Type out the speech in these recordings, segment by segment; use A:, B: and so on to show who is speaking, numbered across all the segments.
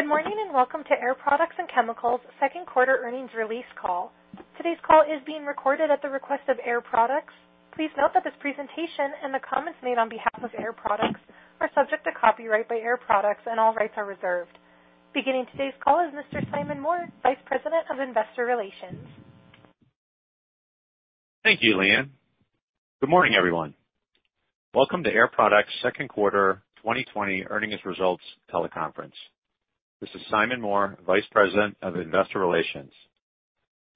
A: Good morning, welcome to Air Products and Chemicals second quarter earnings release call. Today's call is being recorded at the request of Air Products. Please note that this presentation and the comments made on behalf of Air Products are subject to copyright by Air Products, and all rights are reserved. Beginning today's call is Mr. Simon Moore, Vice President of Investor Relations.
B: Thank you, Leanne. Good morning, everyone. Welcome to Air Products second quarter 2020 earnings results teleconference. This is Simon Moore, Vice President of Investor Relations.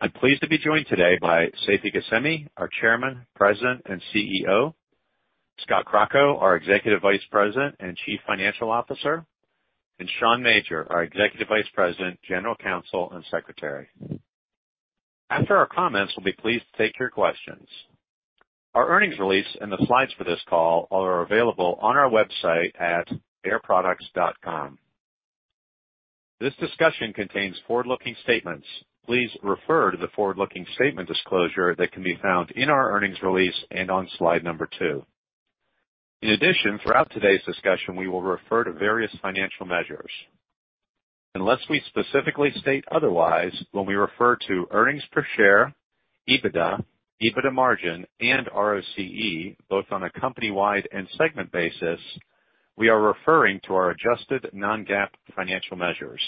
B: I'm pleased to be joined today by Seifi Ghasemi, our Chairman, President, and CEO, Scott Crocco, our Executive Vice President and Chief Financial Officer, and Sean Major, our Executive Vice President, General Counsel, and Secretary. After our comments, we'll be pleased to take your questions. Our earnings release and the slides for this call are available on our website at airproducts.com. This discussion contains forward-looking statements. Please refer to the forward-looking statement disclosure that can be found in our earnings release and on slide number two. In addition, throughout today's discussion, we will refer to various financial measures. Unless we specifically state otherwise, when we refer to earnings per share, EBITDA margin, and ROCE, both on a company-wide and segment basis, we are referring to our adjusted non-GAAP financial measures,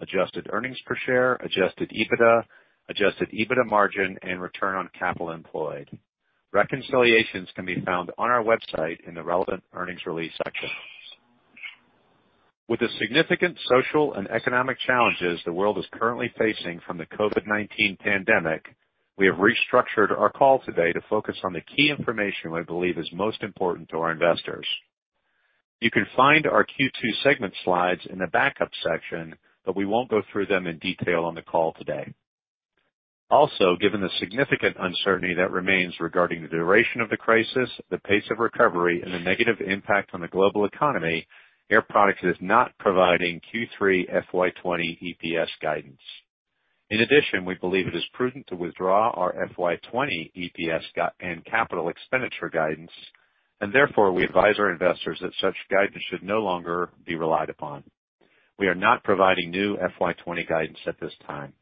B: adjusted earnings per share, adjusted EBITDA, adjusted EBITDA margin, and return on capital employed. Reconciliations can be found on our website in the relevant earnings release section. With the significant social and economic challenges the world is currently facing from the COVID-19 pandemic, we have restructured our call today to focus on the key information we believe is most important to our investors. You can find our Q2 segment slides in the backup section, but we won't go through them in detail on the call today. Given the significant uncertainty that remains regarding the duration of the crisis, the pace of recovery, and the negative impact on the global economy, Air Products is not providing Q3 FY 2020 EPS guidance. In addition, we believe it is prudent to withdraw our FY 2020 EPS and capital expenditure guidance, and therefore, we advise our investors that such guidance should no longer be relied upon. We are not providing new FY 2020 guidance at this time.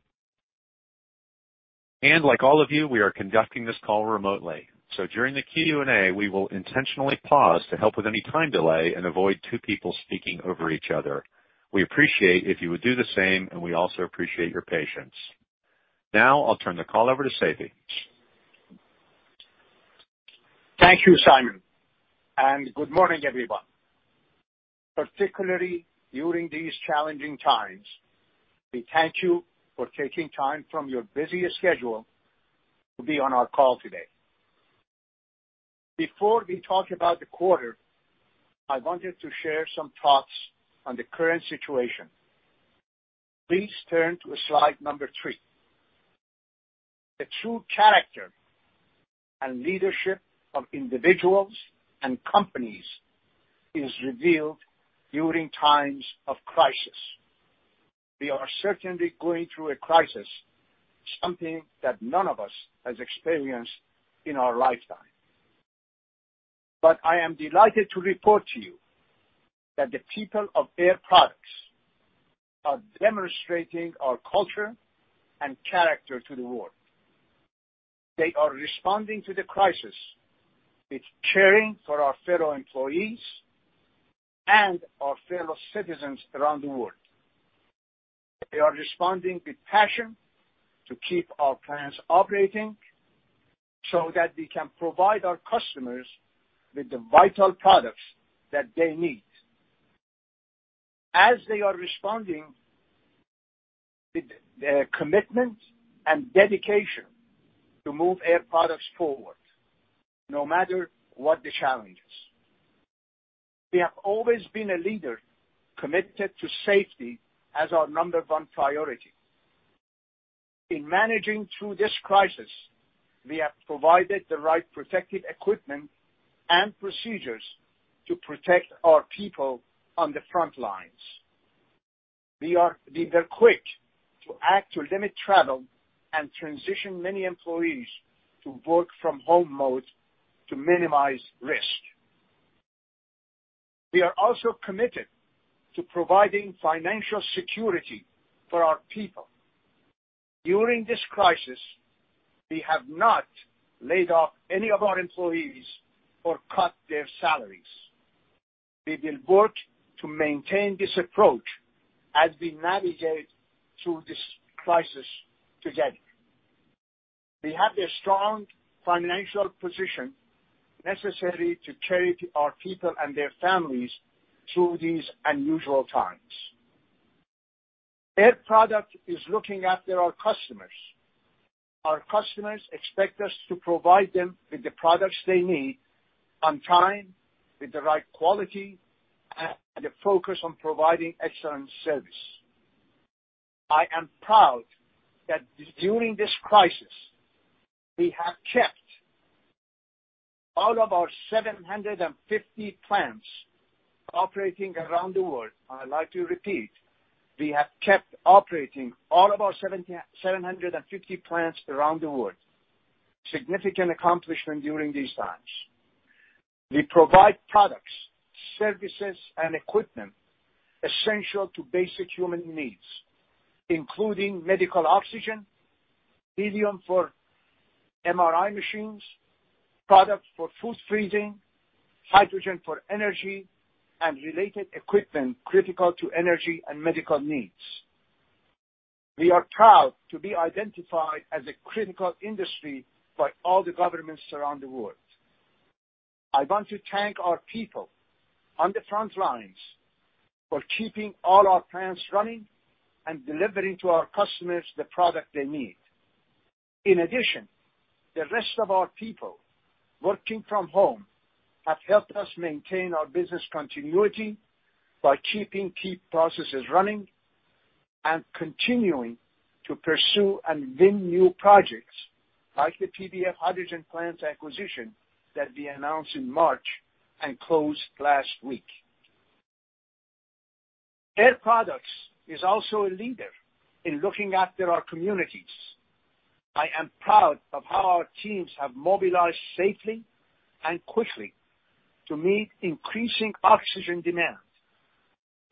B: Like all of you, we are conducting this call remotely. During the Q&A, we will intentionally pause to help with any time delay and avoid two people speaking over each other. We appreciate if you would do the same, and we also appreciate your patience. Now, I'll turn the call over to Seifi.
C: Thank you, Simon, and good morning, everyone. Particularly during these challenging times, we thank you for taking time from your busy schedule to be on our call today. Before we talk about the quarter, I wanted to share some thoughts on the current situation. Please turn to slide number three. The true character and leadership of individuals and companies is revealed during times of crisis. We are certainly going through a crisis, something that none of us has experienced in our lifetime. I am delighted to report to you that the people of Air Products are demonstrating our culture and character to the world. They are responding to the crisis with caring for our fellow employees and our fellow citizens around the world. They are responding with passion to keep our plants operating so that we can provide our customers with the vital products that they need. As they are responding with their commitment and dedication to move Air Products forward, no matter what the challenge is. We have always been a leader committed to safety as our number one priority. In managing through this crisis, we have provided the right protective equipment and procedures to protect our people on the front lines. We were quick to act to limit travel and transition many employees to work-from-home mode to minimize risk. We are also committed to providing financial security for our people. During this crisis, we have not laid off any of our employees or cut their salaries. We will work to maintain this approach as we navigate through this crisis together. We have a strong financial position necessary to carry our people and their families through these unusual times. Air Products is looking after our customers. Our customers expect us to provide them with the products they need on time, with the right quality, and a focus on providing excellent service. I am proud that during this crisis, we have kept all of our 750 plants operating around the world. I'd like to repeat, we have kept operating all of our 750 plants around the world. Significant accomplishment during these times. We provide products, services, and equipment essential to basic human needs, including medical oxygen, helium for MRI machines, products for food freezing, hydrogen for energy, and related equipment critical to energy and medical needs. We are proud to be identified as a critical industry by all the governments around the world. I want to thank our people on the front lines for keeping all our plants running and delivering to our customers the product they need. In addition, the rest of our people working from home have helped us maintain our business continuity by keeping key processes running and continuing to pursue and win new projects like the PBF hydrogen plants acquisition that we announced in March and closed last week. Air Products is also a leader in looking after our communities. I am proud of how our teams have mobilized safely and quickly to meet increasing oxygen demand.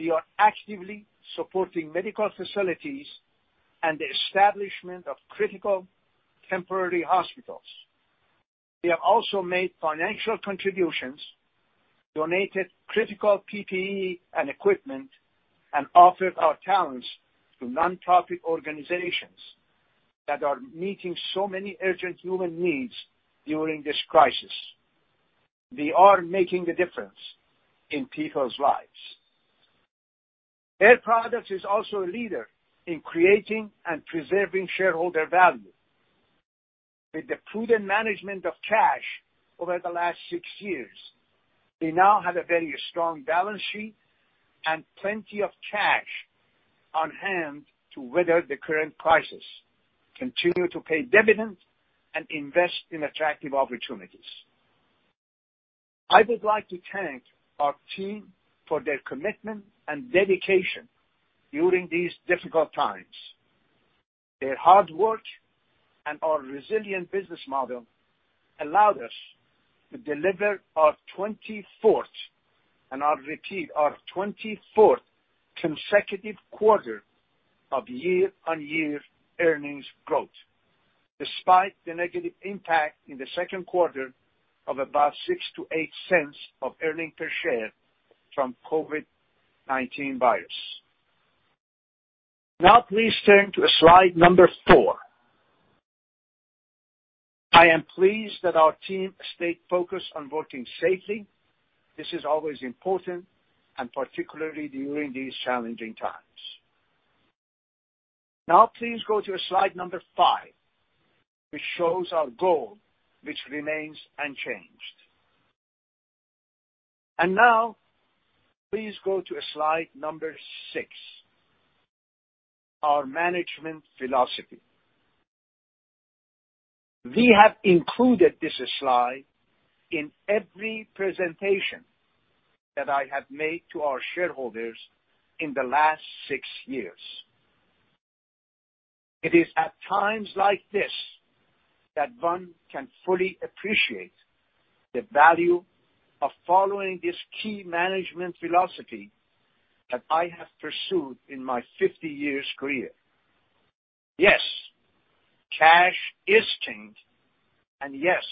C: We are actively supporting medical facilities and the establishment of critical temporary hospitals. We have also made financial contributions, donated critical PPE and equipment, and offered our talents to non-profit organizations that are meeting so many urgent human needs during this crisis. We are making a difference in people's lives. Air Products is also a leader in creating and preserving shareholder value. With the prudent management of cash over the last six years, we now have a very strong balance sheet and plenty of cash on hand to weather the current crisis, continue to pay dividends, and invest in attractive opportunities. I would like to thank our team for their commitment and dedication during these difficult times. Their hard work and our resilient business model allowed us to deliver our 24th, and I'll repeat, our 24th consecutive quarter of year-on-year earnings growth, despite the negative impact in the second quarter of about $0.06-$0.08 of earnings per share from COVID-19. Now, please turn to slide number four. I am pleased that our team stayed focused on working safely. This is always important, and particularly during these challenging times. Now please go to slide number five, which shows our goal, which remains unchanged. Now please go to slide number six, our management philosophy. We have included this slide in every presentation that I have made to our shareholders in the last six years. It is at times like this that one can fully appreciate the value of following this key management philosophy that I have pursued in my 50-year career. Yes, cash is king, and yes,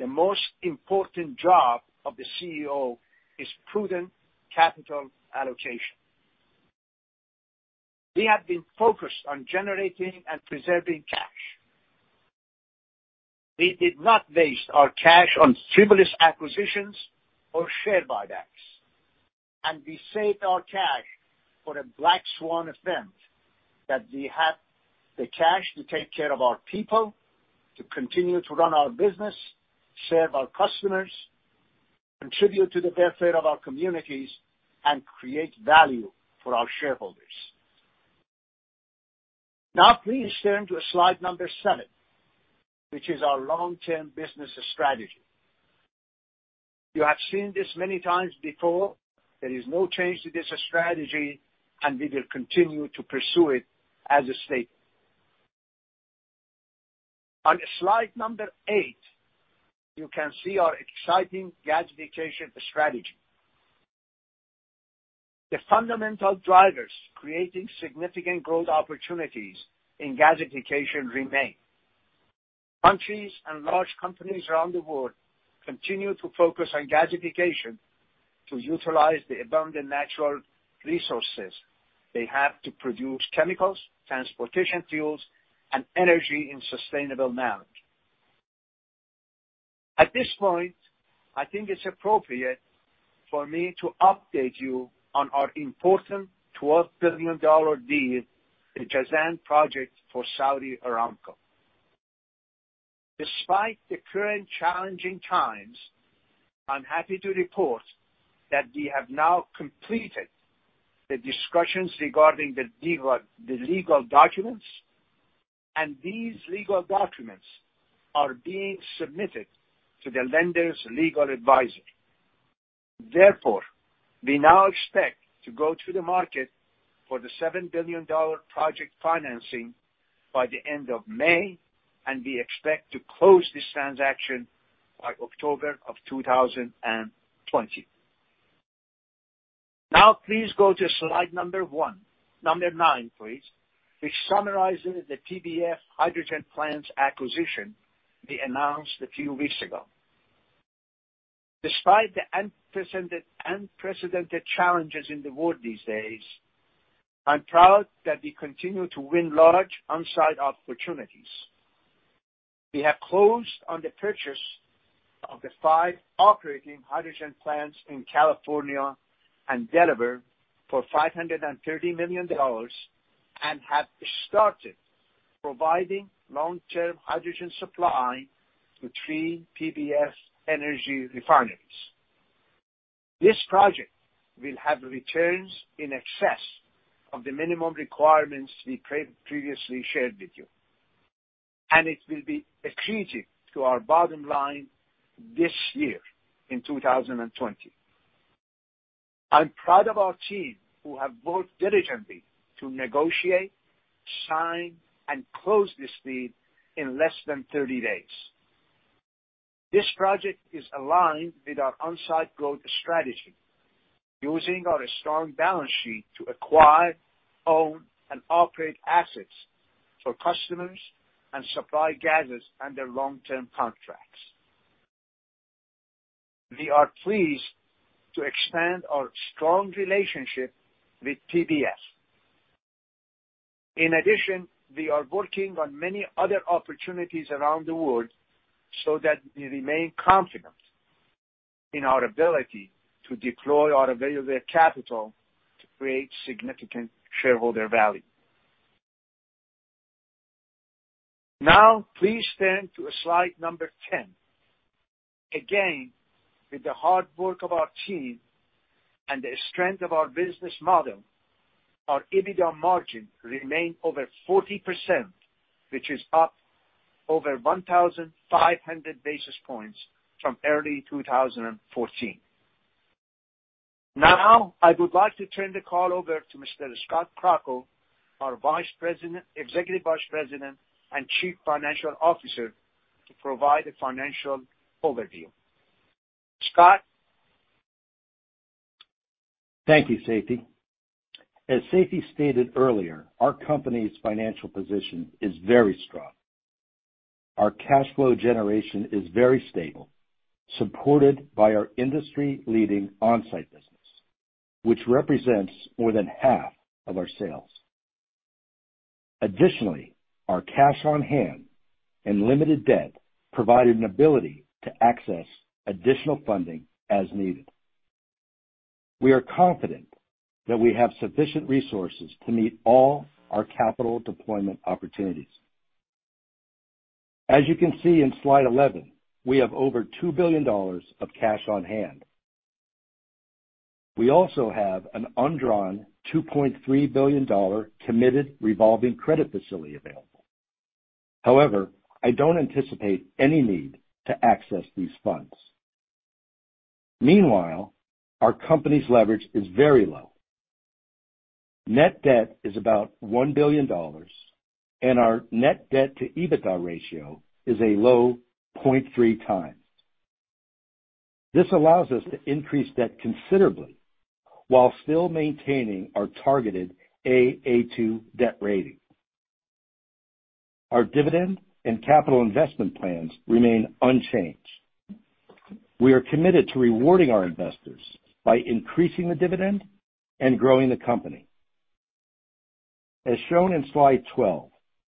C: the most important job of the CEO is prudent capital allocation. We have been focused on generating and preserving cash. We did not waste our cash on frivolous acquisitions or share buybacks, and we saved our cash for a black swan event that we have the cash to take care of our people, to continue to run our business, serve our customers, contribute to the welfare of our communities, and create value for our shareholders. Please turn to slide number seven, which is our long-term business strategy. You have seen this many times before. There is no change to this strategy, and we will continue to pursue it as stated. On slide number eight, you can see our exciting gasification strategy. The fundamental drivers creating significant growth opportunities in gasification remain. Countries and large companies around the world continue to focus on gasification to utilize the abundant natural resources they have to produce chemicals, transportation fuels, and energy in sustainable manner. At this point, I think it is appropriate for me to update you on our important $12 billion deal, the Jazan project for Saudi Aramco. Despite the current challenging times, I'm happy to report that we have now completed the discussions regarding the legal documents. These legal documents are being submitted to the lenders' legal advisor. We now expect to go to the market for the $7 billion project financing by the end of May. We expect to close this transaction by October of 2020. Please go to slide number nine, please, which summarizes the PBF hydrogen plants acquisition we announced a few weeks ago. Despite the unprecedented challenges in the world these days, I'm proud that we continue to win large onsite opportunities. We have closed on the purchase of the five operating hydrogen plants in California and Delaware for $530 million. We have started providing long-term hydrogen supply to three PBF Energy refineries. This project will have returns in excess of the minimum requirements we previously shared with you, and it will be accretive to our bottom line this year, in 2020. I'm proud of our team, who have worked diligently to negotiate, sign, and close this deal in less than 30 days. This project is aligned with our onsite growth strategy, using our strong balance sheet to acquire, own, and operate assets for customers and supply gases under long-term contracts. We are pleased to expand our strong relationship with PBF. We are working on many other opportunities around the world so that we remain confident in our ability to deploy our available capital to create significant shareholder value. Please turn to slide number 10. Again, with the hard work of our team and the strength of our business model, our EBITDA margin remained over 40%, which is up over 1,500 basis points from early 2014. I would like to turn the call over to Mr. Scott Crocco, our Executive Vice President and Chief Financial Officer, to provide the financial overview. Scott?
D: Thank you, Seifi. As Seifi stated earlier, our company's financial position is very strong. Our cash flow generation is very stable, supported by our industry-leading onsite business, which represents more than half of our sales. Our cash on hand and limited debt provide an ability to access additional funding as needed. We are confident that we have sufficient resources to meet all our capital deployment opportunities. As you can see in slide 11, we have over $2 billion of cash on hand. We also have an undrawn $2.3 billion committed revolving credit facility available. I don't anticipate any need to access these funds. Our company's leverage is very low. Net debt is about $1 billion, and our net debt to EBITDA ratio is a low 0.3 times. This allows us to increase debt considerably while still maintaining our targeted A/A2 debt rating. Our dividend and capital investment plans remain unchanged. We are committed to rewarding our investors by increasing the dividend and growing the company. As shown in slide 12,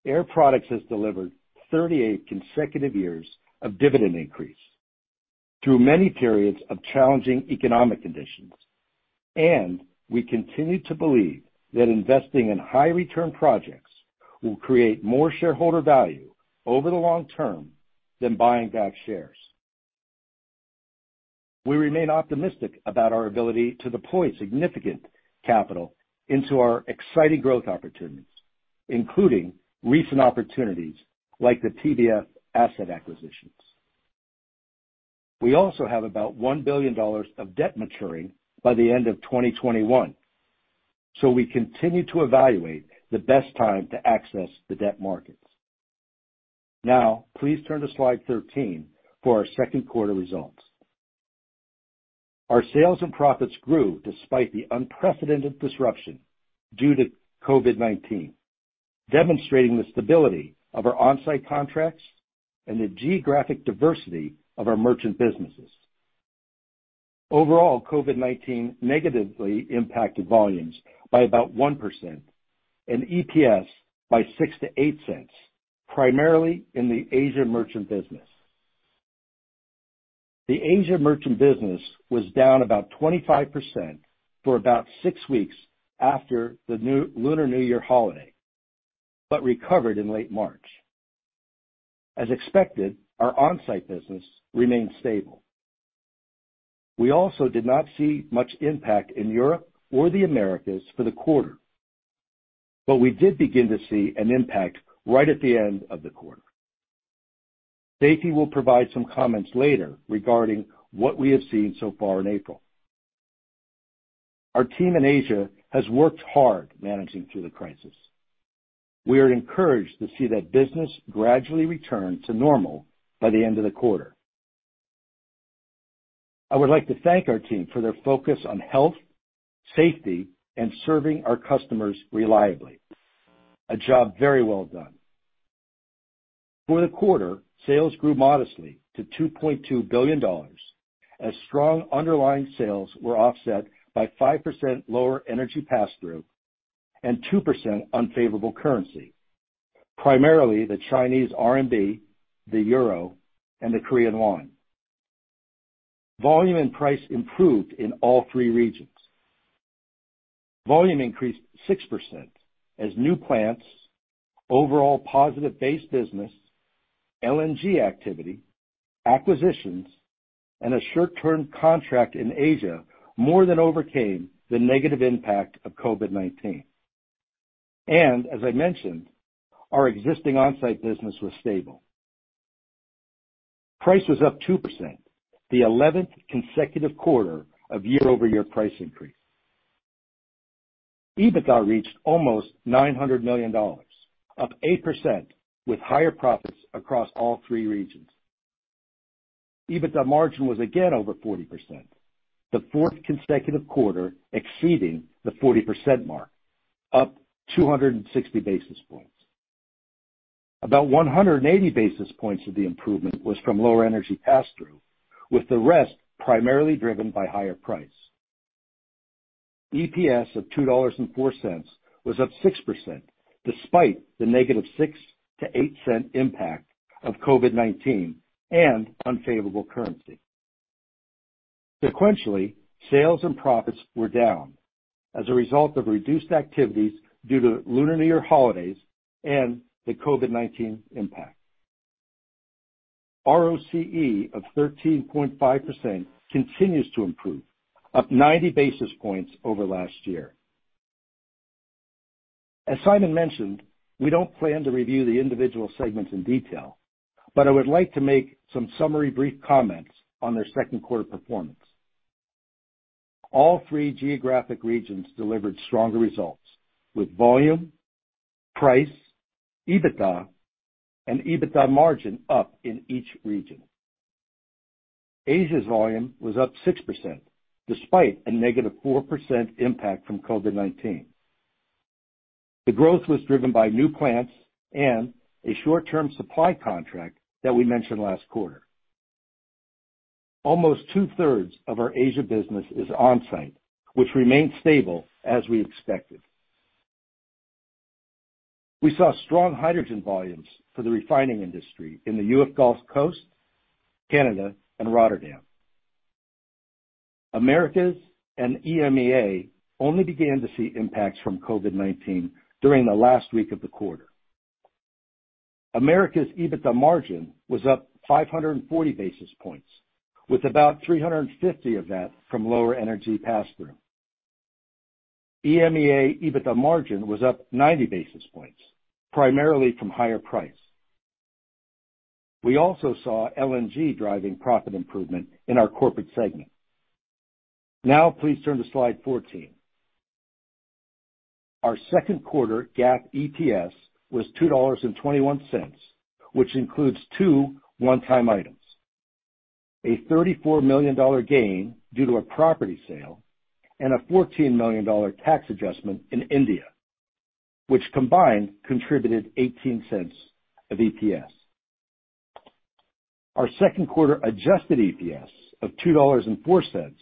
D: Air Products has delivered 38 consecutive years of dividend increase through many periods of challenging economic conditions. We continue to believe that investing in high return projects will create more shareholder value over the long term than buying back shares. We remain optimistic about our ability to deploy significant capital into our exciting growth opportunities, including recent opportunities like the PBF asset acquisitions. We also have about $1 billion of debt maturing by the end of 2021. We continue to evaluate the best time to access the debt markets. Please turn to slide 13 for our second quarter results. Our sales and profits grew despite the unprecedented disruption due to COVID-19, demonstrating the stability of our onsite contracts and the geographic diversity of our merchant businesses. Overall, COVID-19 negatively impacted volumes by about 1%, and EPS by $0.06-$0.08, primarily in the Asia merchant business. The Asia merchant business was down about 25% for about six weeks after the Lunar New Year holiday, recovered in late March. As expected, our onsite business remained stable. We also did not see much impact in Europe or the Americas for the quarter, we did begin to see an impact right at the end of the quarter. Seifi will provide some comments later regarding what we have seen so far in April. Our team in Asia has worked hard managing through the crisis. We are encouraged to see that business gradually return to normal by the end of the quarter. I would like to thank our team for their focus on health, safety, and serving our customers reliably. A job very well done. For the quarter, sales grew modestly to $2.2 billion, as strong underlying sales were offset by 5% lower energy pass-through, and 2% unfavorable currency, primarily the Chinese RMB, the euro, and the Korean won. Volume and price improved in all three regions. Volume increased 6%, as new plants, overall positive base business, LNG activity, acquisitions, and a short-term contract in Asia more than overcame the negative impact of COVID-19. As I mentioned, our existing on-site business was stable. Price was up 2%, the 11th consecutive quarter of year-over-year price increase. EBITDA reached almost $900 million, up 8% with higher profits across all three regions. EBITDA margin was again over 40%, the fourth consecutive quarter exceeding the 40% mark, up 260 basis points. About 180 basis points of the improvement was from lower energy pass-through, with the rest primarily driven by higher price. EPS of $2.04 was up 6%, despite the negative $0.06-$0.08 impact of COVID-19 and unfavorable currency. Sequentially, sales and profits were down as a result of reduced activities due to Lunar New Year holidays and the COVID-19 impact. ROCE of 13.5% continues to improve, up 90 basis points over last year. As Simon mentioned, we don't plan to review the individual segments in detail, but I would like to make some summary brief comments on their second quarter performance. All three geographic regions delivered stronger results with volume, price, EBITDA, and EBITDA margin up in each region. Asia's volume was up 6%, despite a negative 4% impact from COVID-19. The growth was driven by new plants and a short-term supply contract that we mentioned last quarter. Almost two-thirds of our Asia business is on-site, which remained stable as we expected. We saw strong hydrogen volumes for the refining industry in the U.S. Gulf Coast, Canada, and Rotterdam. Americas and EMEA only began to see impacts from COVID-19 during the last week of the quarter. Americas' EBITDA margin was up 540 basis points, with about 350 of that from lower energy pass-through. EMEA EBITDA margin was up 90 basis points, primarily from higher price. We also saw LNG driving profit improvement in our corporate segment. Now please turn to slide 14. Our second quarter GAAP EPS was $2.21, which includes two one-time items, a $34 million gain due to a property sale, and a $14 million tax adjustment in India, which combined contributed $0.18 of EPS. Our second quarter adjusted EPS of $2.04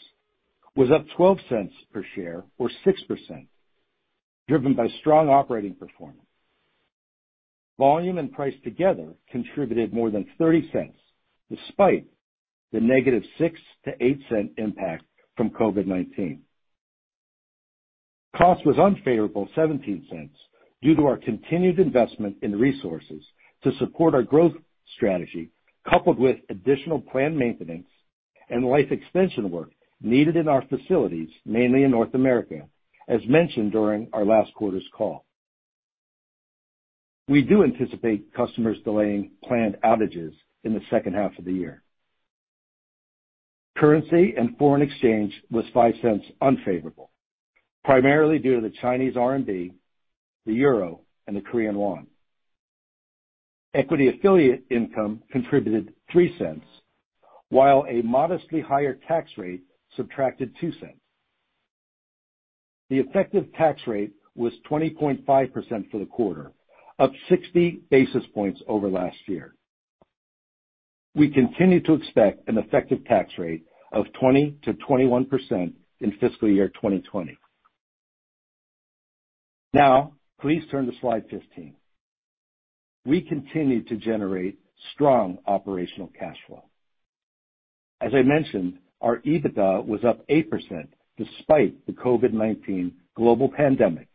D: was up $0.12 per share or 6%, driven by strong operating performance. Volume and price together contributed more than $0.30 despite the negative $0.06-$0.08 impact from COVID-19. Cost was unfavorable $0.17 due to our continued investment in resources to support our growth strategy, coupled with additional planned maintenance and life extension work needed in our facilities, mainly in North America, as mentioned during our last quarter's call. We do anticipate customers delaying planned outages in the second half of the year. Currency and foreign exchange was $0.05 unfavorable, primarily due to the Chinese RMB, the EUR, and the KRW. Equity affiliate income contributed $0.03, while a modestly higher tax rate subtracted $0.02. The effective tax rate was 20.5% for the quarter, up 60 basis points over last year. We continue to expect an effective tax rate of 20%-21% in fiscal year 2020. Now, please turn to slide 15. We continue to generate strong operational cash flow. As I mentioned, our EBITDA was up 8% despite the COVID-19 global pandemic,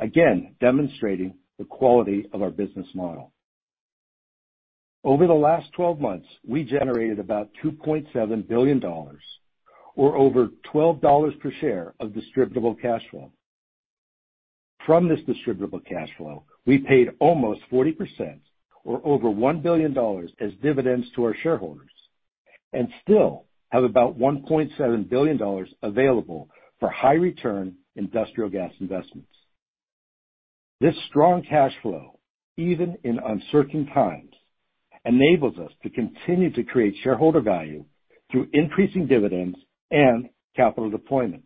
D: again demonstrating the quality of our business model. Over the last 12 months, we generated about $2.7 billion or over $12 per share of distributable cash flow. From this distributable cash flow, we paid almost 40% or over $1 billion as dividends to our shareholders, and still have about $1.7 billion available for high return industrial gas investments. This strong cash flow, even in uncertain times, enables us to continue to create shareholder value through increasing dividends and capital deployment.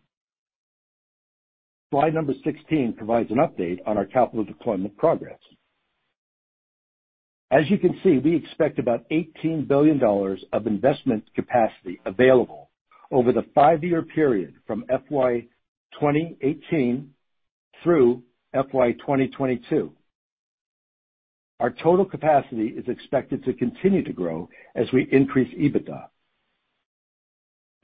D: Slide number 16 provides an update on our capital deployment progress. As you can see, we expect about $18 billion of investment capacity available over the five-year period from FY 2018 through FY 2022. Our total capacity is expected to continue to grow as we increase EBITDA.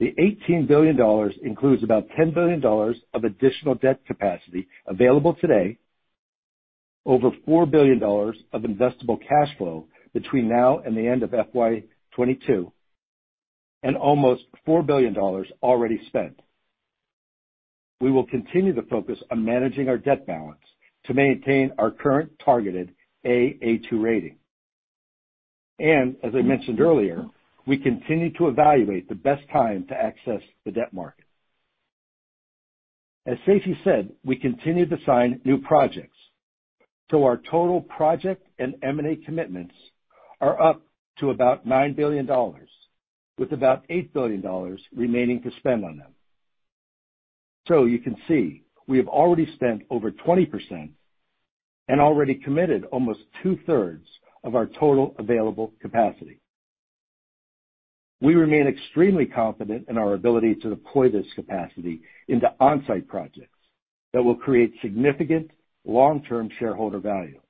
D: The $18 billion includes about $10 billion of additional debt capacity available today, over $4 billion of investable cash flow between now and the end of FY 2022, and almost $4 billion already spent. We will continue to focus on managing our debt balance to maintain our current targeted A/A2 rating. As I mentioned earlier, we continue to evaluate the best time to access the debt market. As Seifi said, we continue to sign new projects, our total project and M&A commitments are up to about $9 billion, with about $8 billion remaining to spend on them. You can see, we have already spent over 20% and already committed almost two-thirds of our total available capacity. We remain extremely confident in our ability to deploy this capacity into on-site projects that will create significant long-term shareholder value.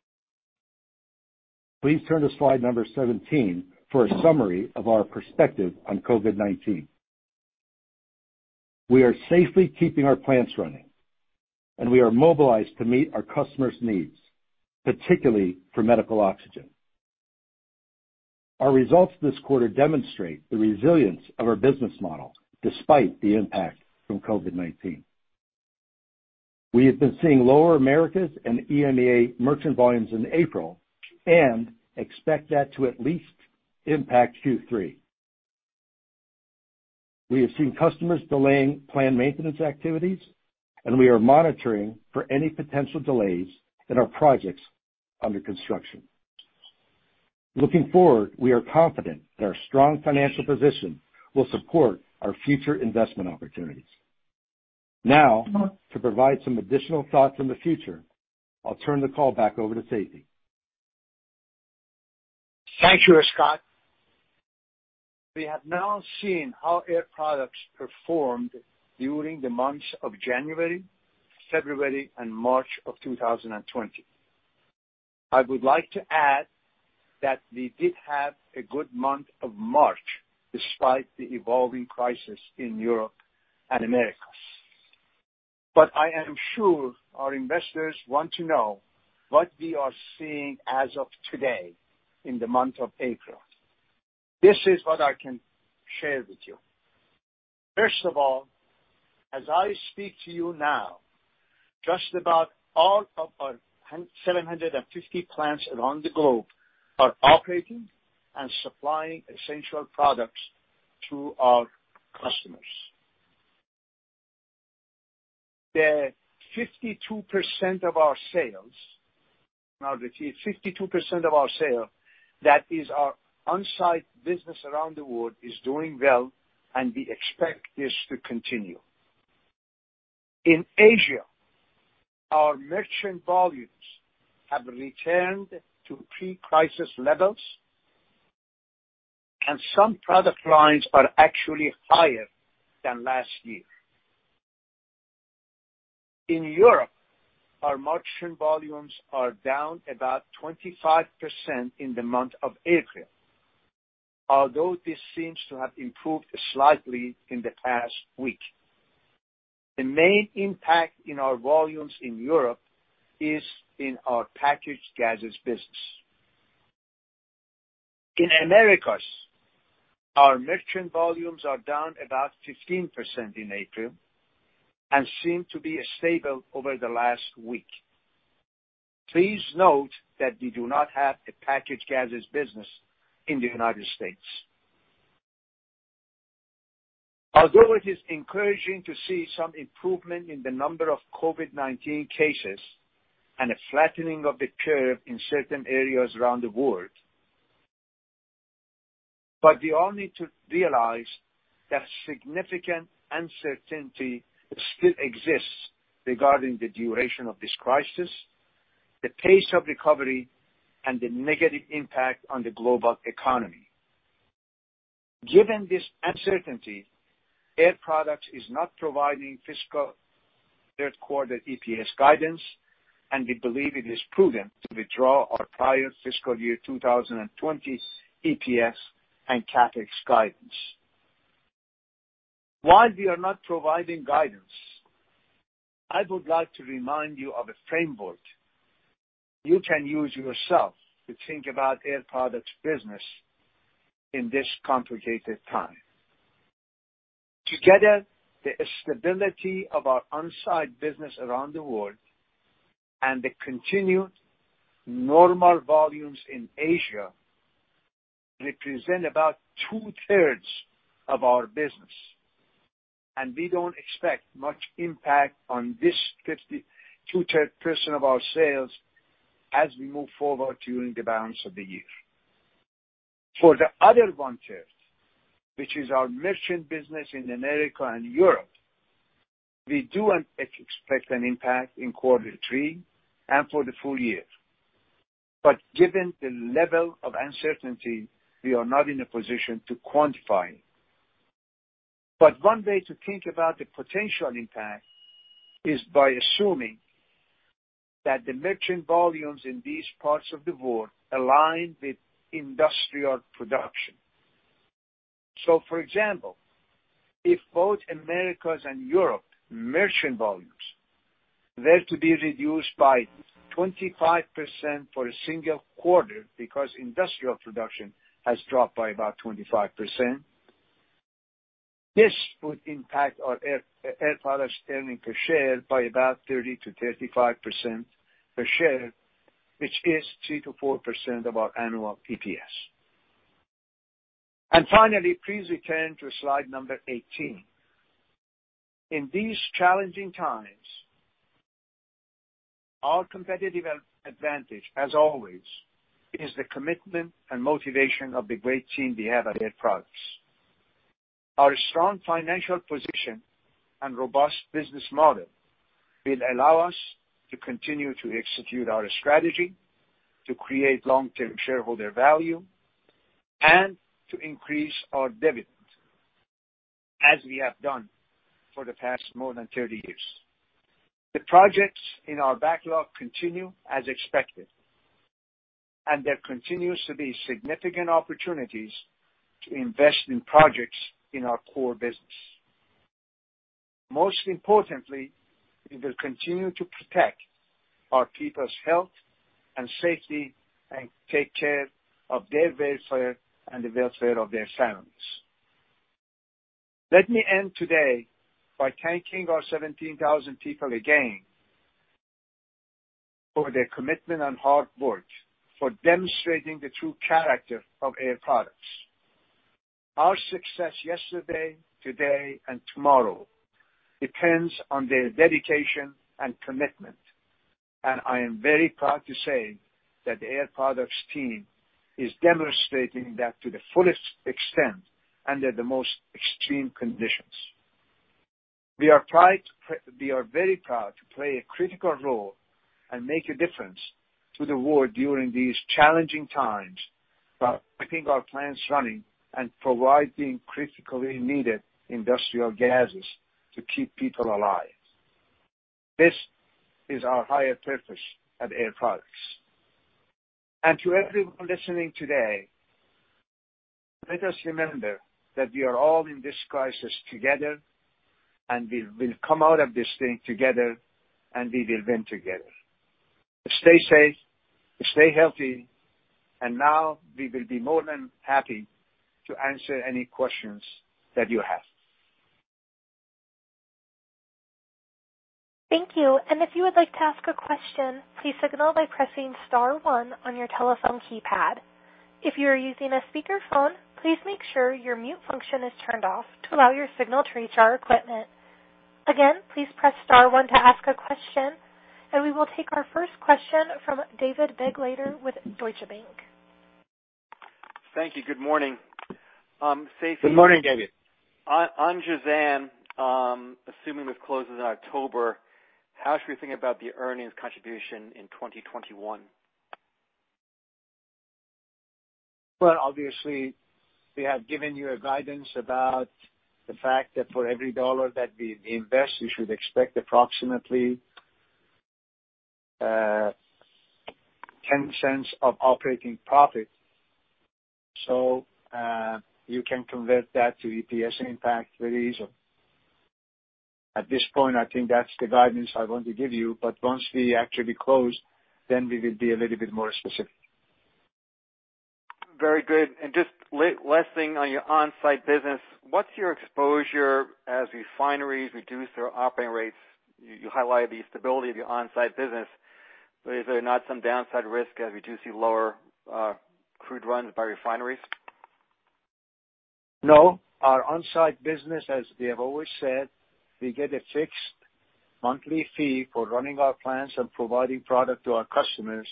D: Please turn to slide number 17 for a summary of our perspective on COVID-19. We are safely keeping our plants running, and we are mobilized to meet our customers' needs, particularly for medical oxygen. Our results this quarter demonstrate the resilience of our business model despite the impact from COVID-19. We have been seeing lower Americas and EMEA merchant volumes in April and expect that to at least impact Q3. We have seen customers delaying planned maintenance activities, and we are monitoring for any potential delays in our projects under construction. Looking forward, we are confident that our strong financial position will support our future investment opportunities. Now, to provide some additional thoughts on the future, I'll turn the call back over to Seifi.
C: Thank you, Scott. We have now seen how Air Products performed during the months of January, February, and March of 2020. I would like to add that we did have a good month of March despite the evolving crisis in Europe and Americas. I am sure our investors want to know what we are seeing as of today in the month of April. This is what I can share with you. First of all, as I speak to you now, just about all of our 750 plants around the globe are operating and supplying essential products to our customers. The 52% of our sales, that is our on-site business around the world, is doing well, and we expect this to continue. In Asia, our merchant volumes have returned to pre-crisis levels, and some product lines are actually higher than last year. In Europe, our merchant volumes are down about 25% in the month of April, although this seems to have improved slightly in the past week. The main impact in our volumes in Europe is in our packaged gases business. In Americas, our merchant volumes are down about 15% in April and seem to be stable over the last week. Please note that we do not have a packaged gases business in the United States. Although it is encouraging to see some improvement in the number of COVID-19 cases and a flattening of the curve in certain areas around the world, but we all need to realize that significant uncertainty still exists regarding the duration of this crisis, the pace of recovery, and the negative impact on the global economy. Given this uncertainty, Air Products is not providing fiscal third quarter EPS guidance, and we believe it is prudent to withdraw our prior fiscal year 2020 EPS and CapEx guidance. While we are not providing guidance, I would like to remind you of a framework you can use yourself to think about Air Products' business in this complicated time. Together, the stability of our on-site business around the world and the continued normal volumes in Asia represent about two-thirds of our business, and we don't expect much impact on this two-thirds of our sales as we move forward during the balance of the year. For the other one-third, which is our merchant business in America and Europe, we do expect an impact in quarter three and for the full year. Given the level of uncertainty, we are not in a position to quantify. One way to think about the potential impact is by assuming that the merchant volumes in these parts of the world align with industrial production. For example, if both Americas and Europe merchant volumes were to be reduced by 25% for a single quarter because industrial production has dropped by about 25%, this would impact our Air Products earnings per share by about 30%-35% per share, which is 3%-4% of our annual EPS. Finally, please return to slide number 18. In these challenging times, our competitive advantage, as always, is the commitment and motivation of the great team we have at Air Products. Our strong financial position and robust business model will allow us to continue to execute our strategy, to create long-term shareholder value, and to increase our dividend, as we have done for the past more than 30 years. The projects in our backlog continue as expected, and there continues to be significant opportunities to invest in projects in our core business. Most importantly, we will continue to protect our people's health and safety and take care of their welfare and the welfare of their families. Let me end today by thanking our 17,000 people again for their commitment and hard work, for demonstrating the true character of Air Products. Our success yesterday, today, and tomorrow depends on their dedication and commitment, and I am very proud to say that the Air Products team is demonstrating that to the fullest extent under the most extreme conditions. We are very proud to play a critical role and make a difference to the world during these challenging times by keeping our plants running and providing critically needed industrial gases to keep people alive. This is our higher purpose at Air Products. To everyone listening today, let us remember that we are all in this crisis together, and we will come out of this thing together, and we will win together. Stay safe, stay healthy, and now we will be more than happy to answer any questions that you have.
A: Thank you. If you would like to ask a question, please signal by pressing star one on your telephone keypad. If you are using a speakerphone, please make sure your mute function is turned off to allow your signal to reach our equipment. Again, please press star one to ask a question. We will take our first question from David Begleiter with Deutsche Bank.
E: Thank you. Good morning.
C: Good morning, David.
E: On Jazan, assuming this closes in October, how should we think about the earnings contribution in 2021?
C: Obviously, we have given you a guidance about the fact that for every dollar that we invest, you should expect approximately $0.10 of operating profit. You can convert that to EPS impact very easily. At this point, I think that's the guidance I want to give you, but once we actually close, then we will be a little bit more specific.
E: Very good. Just last thing on your on-site business, what's your exposure as refineries reduce their operating rates? You highlight the stability of your on-site business, is there not some downside risk as we do see lower crude runs by refineries?
C: No. Our on-site business, as we have always said, we get a fixed monthly fee for running our plants and providing product to our customers.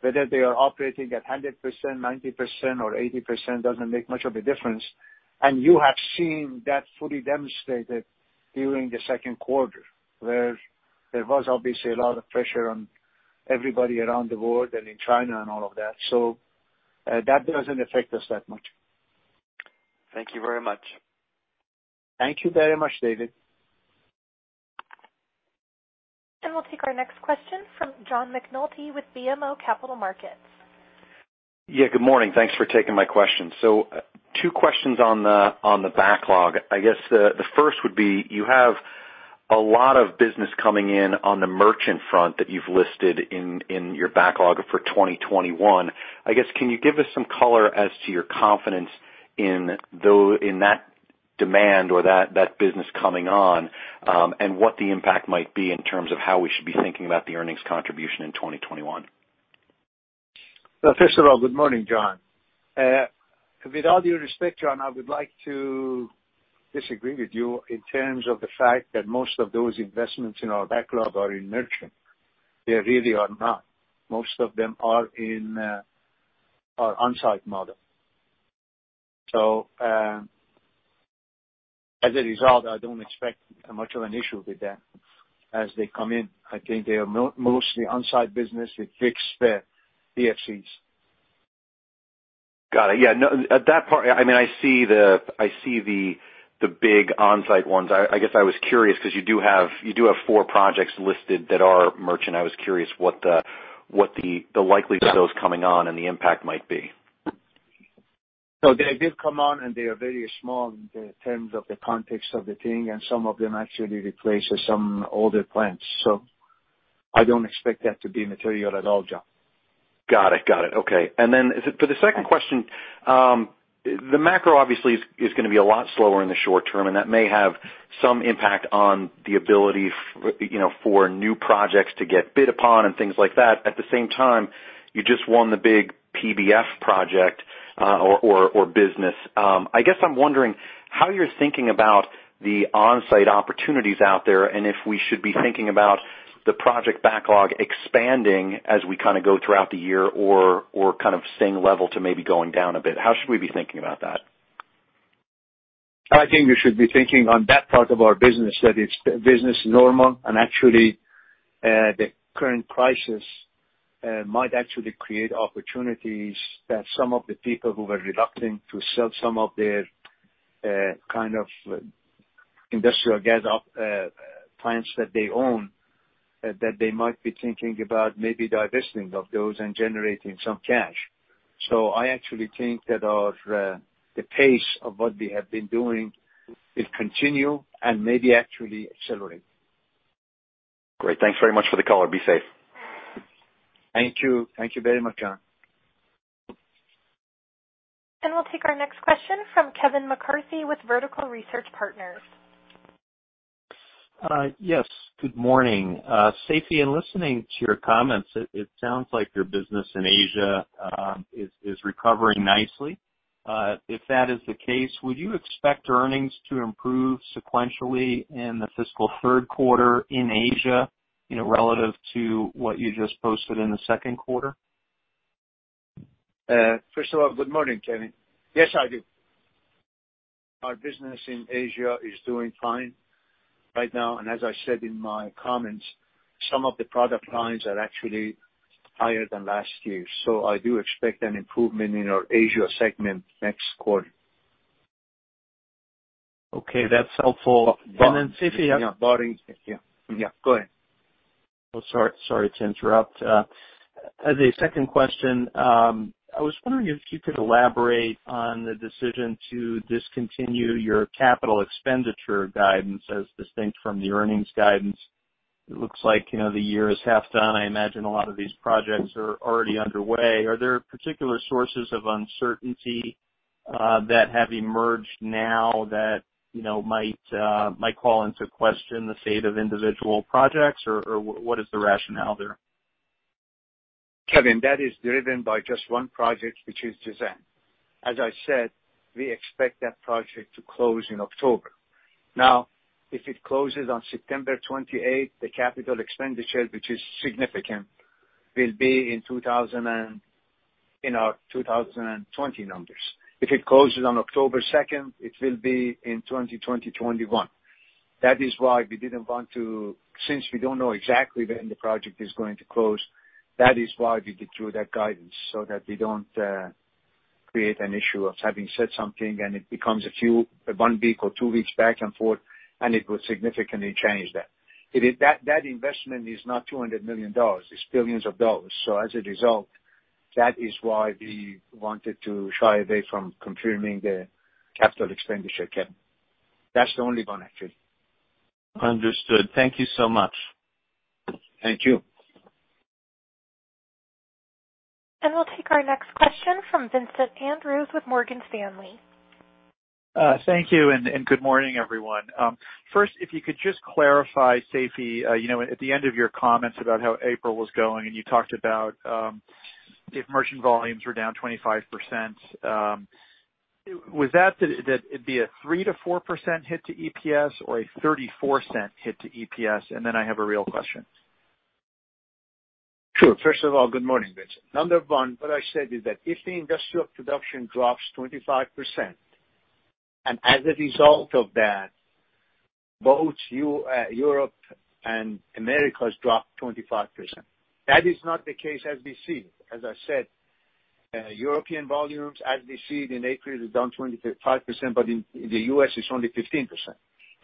C: Whether they are operating at 100%, 90%, or 80% doesn't make much of a difference. You have seen that fully demonstrated during the second quarter, where there was obviously a lot of pressure on everybody around the world and in China and all of that. That doesn't affect us that much.
E: Thank you very much.
C: Thank you very much, David.
A: We'll take our next question from John McNulty with BMO Capital Markets.
F: Yeah, good morning. Thanks for taking my question. Two questions on the backlog. I guess the first would be, you have a lot of business coming in on the merchant front that you've listed in your backlog for 2021. I guess, can you give us some color as to your confidence in that demand or that business coming on, and what the impact might be in terms of how we should be thinking about the earnings contribution in 2021?
C: Well, first of all, good morning, John. With all due respect, John, I would like to disagree with you in terms of the fact that most of those investments in our backlog are in merchant. They really are not. Most of them are in our on-site model. As a result, I don't expect much of an issue with that as they come in. I think they are mostly on-site business with fixed fee FECs.
F: Got it. Yeah. I see the big on-site ones. I guess I was curious because you do have four projects listed that are merchant. I was curious what the likelihood of those coming on and the impact might be.
C: They did come on, and they are very small in terms of the context of the thing, and some of them actually replaces some older plants. I don't expect that to be material at all, John.
F: Got it. Okay. For the second question, the macro obviously is going to be a lot slower in the short term, and that may have some impact on the ability for new projects to get bid upon and things like that. At the same time, you just won the big PBF project or business. I guess I'm wondering how you're thinking about the on-site opportunities out there, and if we should be thinking about the project backlog expanding as we go throughout the year or staying level to maybe going down a bit. How should we be thinking about that?
C: I think we should be thinking on that part of our business that it's business as normal. Actually, the current crisis might actually create opportunities that some of the people who were reluctant to sell some of their industrial gas plants that they own, that they might be thinking about maybe divesting of those and generating some cash. I actually think that the pace of what we have been doing will continue and maybe actually accelerate.
F: Great. Thanks very much for the color. Be safe.
C: Thank you. Thank you very much, John.
A: We'll take our next question from Kevin McCarthy with Vertical Research Partners.
G: Yes. Good morning. Seifi, in listening to your comments, it sounds like your business in Asia is recovering nicely. If that is the case, would you expect earnings to improve sequentially in the fiscal third quarter in Asia, relative to what you just posted in the second quarter?
C: First of all, good morning, Kevin. Yes, I do. Our business in Asia is doing fine right now, and as I said in my comments, some of the product lines are actually higher than last year. I do expect an improvement in our Asia segment next quarter.
G: Okay. That's helpful. Seifi-
C: Yeah, go ahead.
G: Oh, sorry to interrupt. As a second question, I was wondering if you could elaborate on the decision to discontinue your capital expenditure guidance as distinct from the earnings guidance. It looks like the year is half done. I imagine a lot of these projects are already underway. Are there particular sources of uncertainty that have emerged now that might call into question the fate of individual projects? Or what is the rationale there?
C: Kevin, that is driven by just one project, which is Jazan. As I said, we expect that project to close in October. If it closes on September 28th, the capital expenditure, which is significant, will be in our 2020 numbers. If it closes on October 2nd, it will be in 2021. Since we don't know exactly when the project is going to close, that is why we withdrew that guidance, so that we don't create an issue of having said something, and it becomes one week or two weeks back and forth, and it will significantly change that. That investment is not $200 million. It's billions of dollars. That is why we wanted to shy away from confirming the capital expenditure, Kevin. That's the only one, actually.
G: Understood. Thank you so much.
C: Thank you.
A: We'll take our next question from Vincent Andrews with Morgan Stanley.
H: Thank you, and good morning, everyone. First, if you could just clarify, Seifi, at the end of your comments about how April was going, and you talked about if merchant volumes were down 25%, was that it'd be a 3%-4% hit to EPS or a $0.34 hit to EPS? Then I have a real question.
C: Sure. First of all, good morning, Vincent. Number one, what I said is that if the industrial production drops 25%, and as a result of that, both Europe and Americas drop 25%. That is not the case as we see. As I said, European volumes, as we see it in April, is down 25%, but in the U.S., it's only 15%.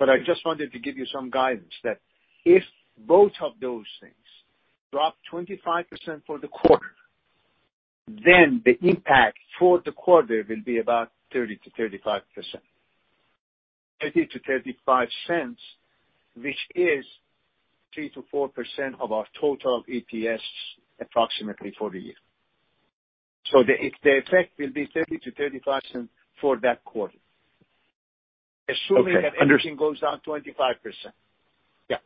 C: I just wanted to give you some guidance that if both of those things drop 25% for the quarter, the impact for the quarter will be about 30%-35%. $0.30-$0.35, which is 3%-4% of our total EPS approximately for the year. The effect will be $0.30-$0.35 for that quarter, assuming that everything goes down 25%. Yeah.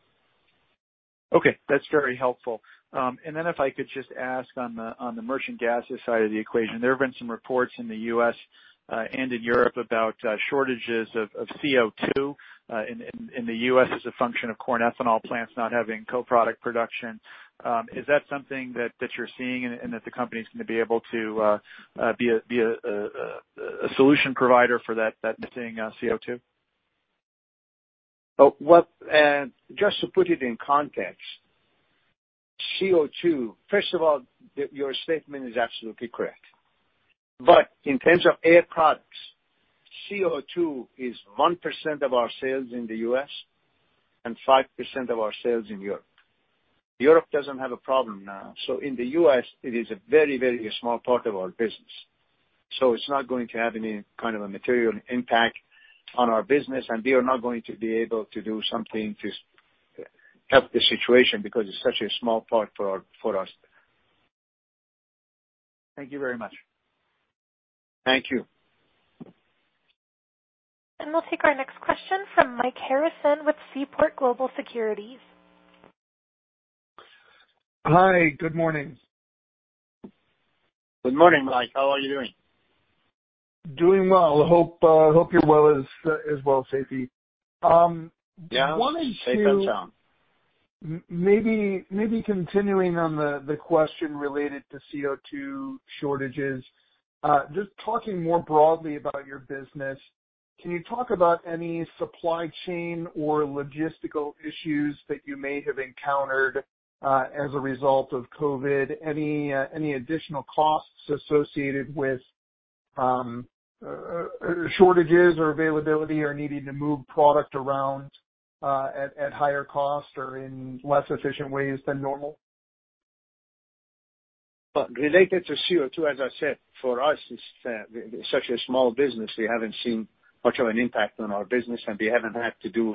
H: Okay. That's very helpful. If I could just ask on the merchant gases side of the equation, there have been some reports in the U.S., and in Europe about shortages of CO2 in the U.S. as a function of corn ethanol plants not having co-product production. Is that something that you're seeing and that the company's going to be able to be a solution provider for that missing CO2?
C: Just to put it in context, CO2, first of all, your statement is absolutely correct. In terms of Air Products, CO2 is 1% of our sales in the U.S. and 5% of our sales in Europe. Europe doesn't have a problem now. In the U.S., it is a very small part of our business. It's not going to have any kind of a material impact on our business, and we are not going to be able to do something to help the situation because it's such a small part for us.
H: Thank you very much.
C: Thank you.
A: We'll take our next question from Mike Harrison with Seaport Global Securities.
I: Hi, good morning.
C: Good morning, Mike. How are you doing?
I: Doing well. Hope you're well as well, Seifi.
C: Yeah. Stayed the same.
I: Maybe continuing on the question related to CO2 shortages. Just talking more broadly about your business, can you talk about any supply chain or logistical issues that you may have encountered, as a result of COVID? Any additional costs associated with shortages or availability or needing to move product around, at higher cost or in less efficient ways than normal?
C: Related to CO2, as I said, for us, it's such a small business. We haven't seen much of an impact on our business, and we haven't had to do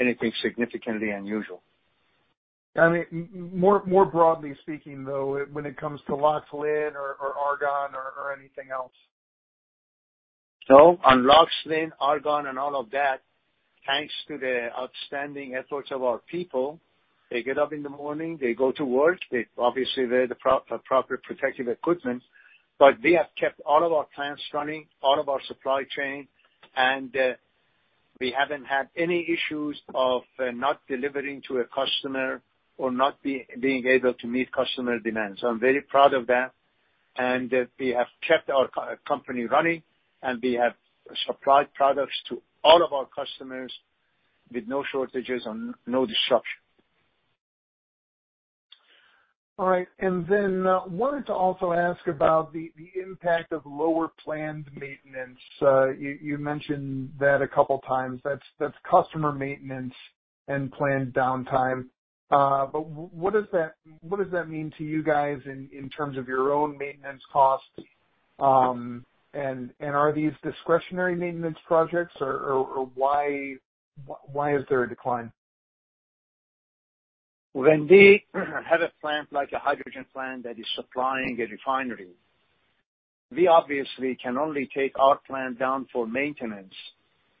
C: anything significantly unusual.
I: More broadly speaking, though, when it comes to LOX, LIN or argon or anything else.
C: No, on LOX, LIN, argon and all of that, thanks to the outstanding efforts of our people. They get up in the morning, they go to work. Obviously, wear the proper protective equipment, but we have kept all of our plants running, all of our supply chain, and we haven't had any issues of not delivering to a customer or not being able to meet customer demands. I'm very proud of that. We have kept our company running, and we have supplied products to all of our customers with no shortages and no disruption.
I: All right. Wanted to also ask about the impact of lower planned maintenance. You mentioned that a couple times. That's customer maintenance and planned downtime. What does that mean to you guys in terms of your own maintenance costs? Are these discretionary maintenance projects, or why is there a decline?
C: When we have a plant, like a hydrogen plant that is supplying a refinery, we obviously can only take our plant down for maintenance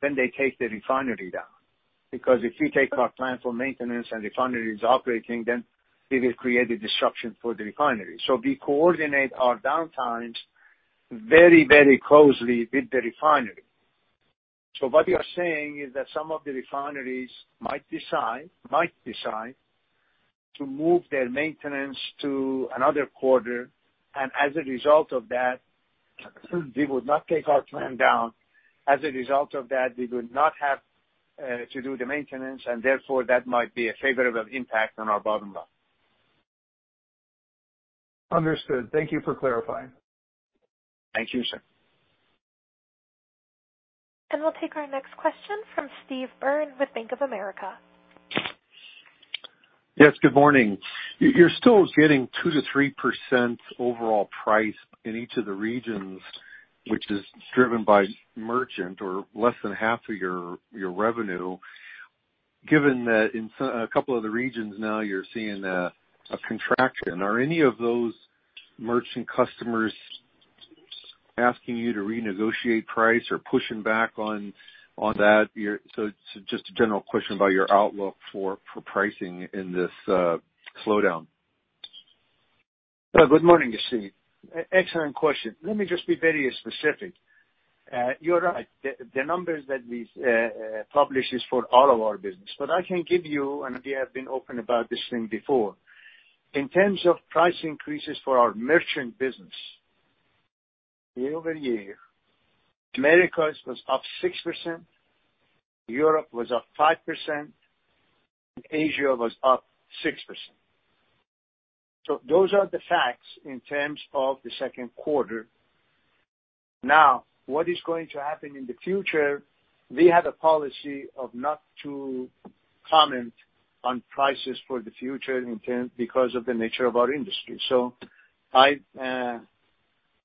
C: when they take the refinery down. If we take our plant for maintenance and refinery is operating, then it will create a disruption for the refinery. We coordinate our downtimes very closely with the refinery. What you're saying is that some of the refineries might decide to move their maintenance to another quarter, and as a result of that, we would not take our plant down. As a result of that, we would not have to do the maintenance, and therefore, that might be a favorable impact on our bottom line.
I: Understood. Thank you for clarifying.
C: Thank you, sir.
A: We'll take our next question from Steve Byrne with Bank of America.
J: Yes. Good morning. You're still getting 2%-3% overall price in each of the regions, which is driven by merchant or less than half of your revenue. Given that in a couple other regions now you're seeing a contraction, are any of those merchant customers asking you to renegotiate price or pushing back on that? Just a general question about your outlook for pricing in this slowdown.
C: Good morning, Steve. Excellent question. Let me just be very specific. You're right. The numbers that we publish is for all of our business. I can give you, and we have been open about this thing before. In terms of price increases for our merchant business, year-over-year, Americas was up 6%, Europe was up 5%, and Asia was up 6%. Those are the facts in terms of the second quarter. Now, what is going to happen in the future? We have a policy of not to comment on prices for the future because of the nature of our industry. I'm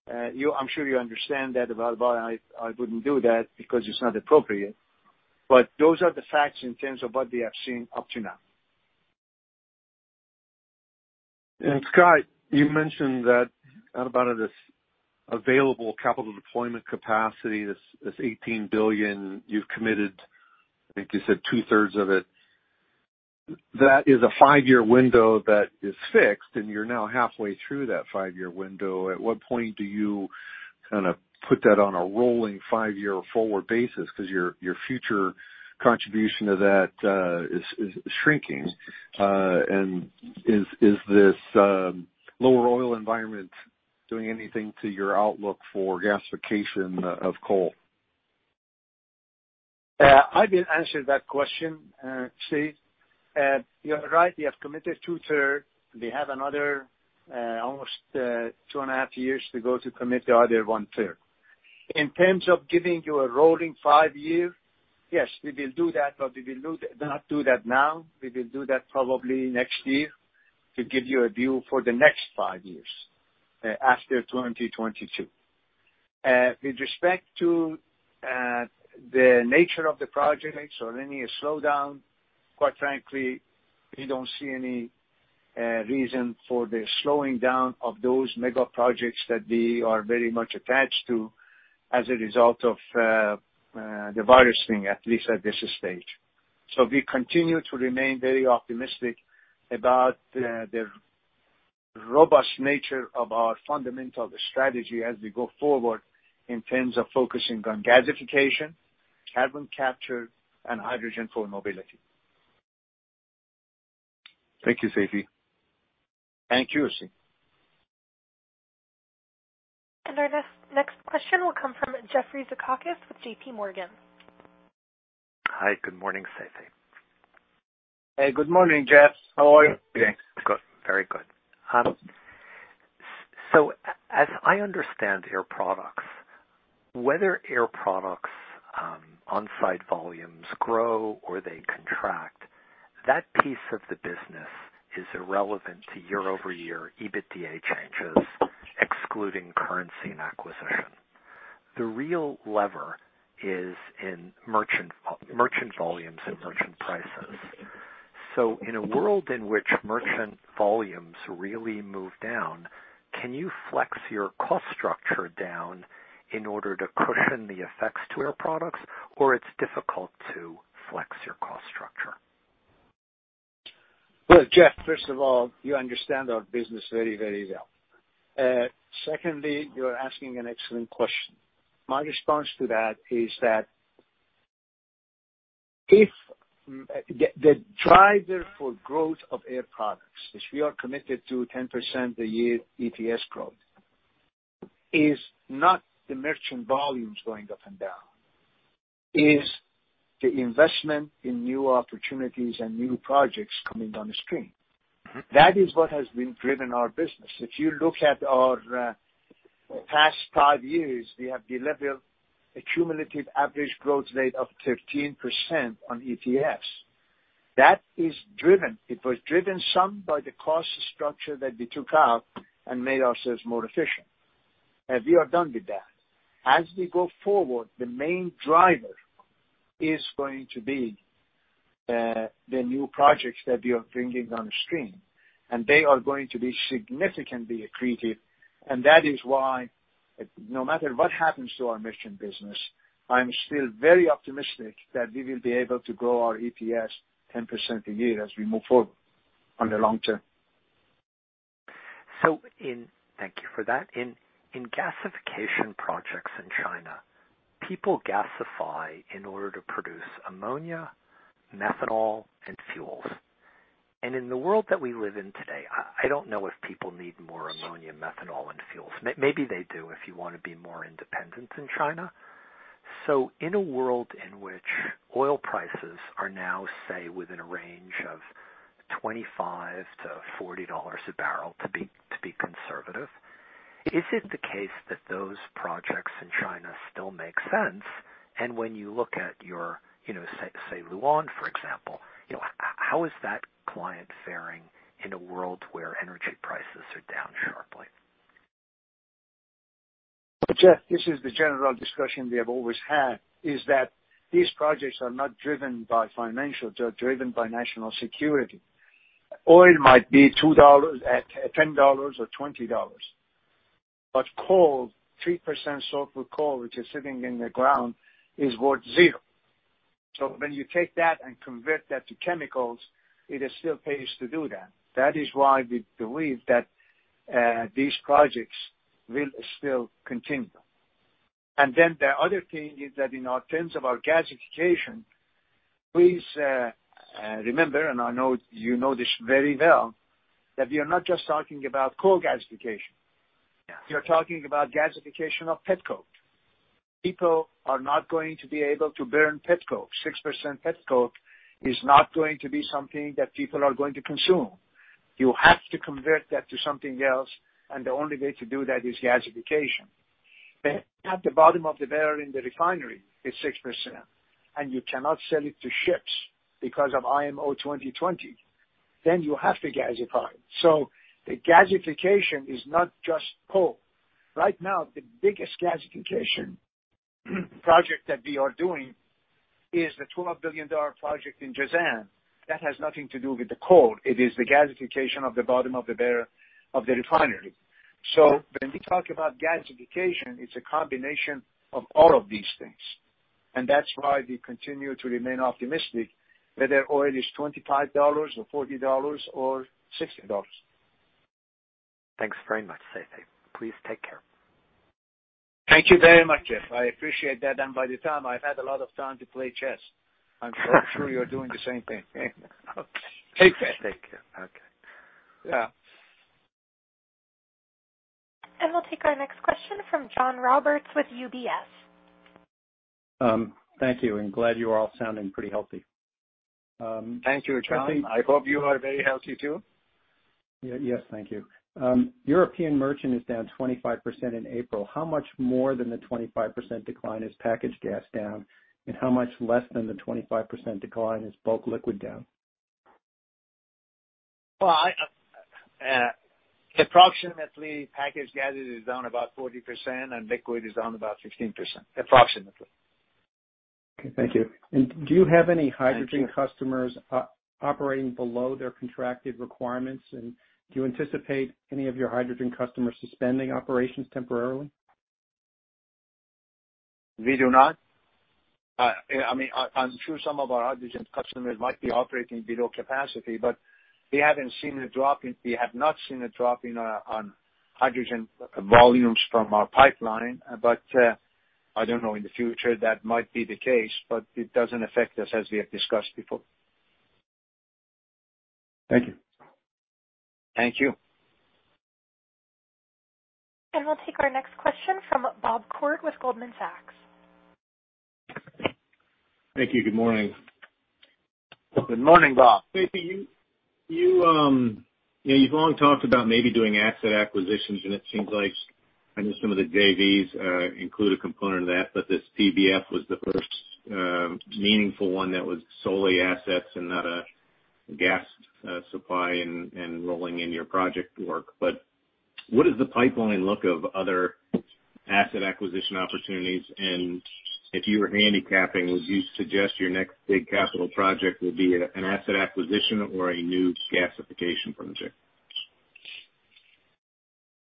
C: sure you understand that, Byrne. I wouldn't do that because it's not appropriate. Those are the facts in terms of what we have seen up to now.
J: Scott, you mentioned that about this available capital deployment capacity, this $18 billion you've committed, I think you said two-thirds of it. That is a five-year window that is fixed, and you're now halfway through that five-year window. At what point do you put that on a rolling five-year forward basis? Because your future contribution to that is shrinking. Is this lower oil environment doing anything to your outlook for gasification of coal?
C: I did answer that question, Steve. You are right, we have committed two-third. We have another almost two and a half years to go to commit the other one-third. In terms of giving you a rolling five year, yes, we will do that, we will not do that now. We will do that probably next year to give you a view for the next five years, after 2022. With respect to the nature of the projects or any slowdown, quite frankly, we don't see any reason for the slowing down of those mega projects that we are very much attached to as a result of the virus thing, at least at this stage. We continue to remain very optimistic about the robust nature of our fundamental strategy as we go forward in terms of focusing on gasification, carbon capture, and hydrogen for mobility.
J: Thank you, Seifi.
C: Thank you, Steve.
A: Our next question will come from Jeffrey Zekauskas with JPMorgan.
K: Hi, good morning, Seifi.
C: Hey, good morning, Jeff. How are you?
K: Good. Very good. As I understand Air Products, whether Air Products' on-site volumes grow or they contract, that piece of the business is irrelevant to year-over-year EBITDA changes, excluding currency and acquisition. The real lever is in merchant volumes and merchant prices. In a world in which merchant volumes really move down, can you flex your cost structure down in order to cushion the effects to Air Products, or it's difficult to flex your cost structure?
C: Well, Jeff, first of all, you understand our business very, very well. Secondly, you're asking an excellent question. My response to that is that the driver for growth of Air Products, which we are committed to 10% a year EPS growth, is not the merchant volumes going up and down. Is the investment in new opportunities and new projects coming down the stream. That is what has been driven our business. If you look at our past five years, we have delivered a cumulative average growth rate of 13% on EPS. That is driven. It was driven some by the cost structure that we took out and made ourselves more efficient. We are done with that. As we go forward, the main driver is going to be the new projects that we are bringing downstream, and they are going to be significantly accretive. That is why, no matter what happens to our merchant business, I'm still very optimistic that we will be able to grow our EPS 10% a year as we move forward on the long term.
K: Thank you for that. In gasification projects in China, people gasify in order to produce ammonia, methanol, and fuels. In the world that we live in today, I don't know if people need more ammonia, methanol, and fuels. Maybe they do, if you want to be more independent in China. In a world in which oil prices are now, say, within a range of $25-$40 a barrel, to be conservative, is it the case that those projects in China still make sense? When you look at your, say, Lu'an, for example, how is that client faring in a world where energy prices are down sharply?
C: Well, Jeff, this is the general discussion we have always had, is that these projects are not driven by financial. They are driven by national security. Oil might be at $10 or $20. Coal, 3% sulfur coal, which is sitting in the ground, is worth zero. When you take that and convert that to chemicals, it still pays to do that. That is why we believe that these projects will still continue. The other thing is that in our terms of our gasification, please remember, and I know you know this very well, that we are not just talking about coal gasification.
K: Yeah.
C: We are talking about gasification of petcoke. People are not going to be able to burn petcoke. 6% petcoke is not going to be something that people are going to consume. You have to convert that to something else, and the only way to do that is gasification. At the bottom of the barrel in the refinery, it's 6%, and you cannot sell it to ships because of IMO 2020, then you have to gasify. The gasification is not just coal. Right now, the biggest gasification project that we are doing is the $12 billion project in Jazan. That has nothing to do with the coal. It is the gasification of the bottom of the barrel of the refinery. When we talk about gasification, it's a combination of all of these things, and that's why we continue to remain optimistic, whether oil is $25 or $40 or $60.
K: Thanks very much, Seifi. Please take care.
C: Thank you very much, Jeff. I appreciate that, and by the time I've had a lot of time to play chess. I'm sure you're doing the same thing.
K: Okay.
C: Take care.
K: Take care. Okay.
C: Yeah.
A: We'll take our next question from John Roberts with UBS. Thank you. Glad you are all sounding pretty healthy.
C: Thank you, John. I hope you are very healthy too.
L: Yes, thank you. European merchant is down 25% in April. How much more than the 25% decline is packaged gas down, and how much less than the 25% decline is bulk liquid down?
C: Well, approximately, packaged gas is down about 40%, and liquid is down about 16%, approximately.
L: Okay, thank you. Do you have any hydrogen customers operating below their contracted requirements, and do you anticipate any of your hydrogen customers suspending operations temporarily?
C: We do not. I'm sure some of our hydrogen customers might be operating below capacity, but we have not seen a drop in our hydrogen volumes from our pipeline. I don't know, in the future, that might be the case, but it doesn't affect us as we have discussed before.
L: Thank you.
C: Thank you.
A: We'll take our next question from Bob Koort with Goldman Sachs. Thank you. Good morning.
C: Good morning, Bob.
M: Seifi, you've long talked about maybe doing asset acquisitions, it seems like, I know some of the JVs include a component of that, this PBF was the first meaningful one that was solely assets and not a gas supply and rolling in your project work. What does the pipeline look of other asset acquisition opportunities? If you were handicapping, would you suggest your next big capital project would be an asset acquisition or a new gasification project?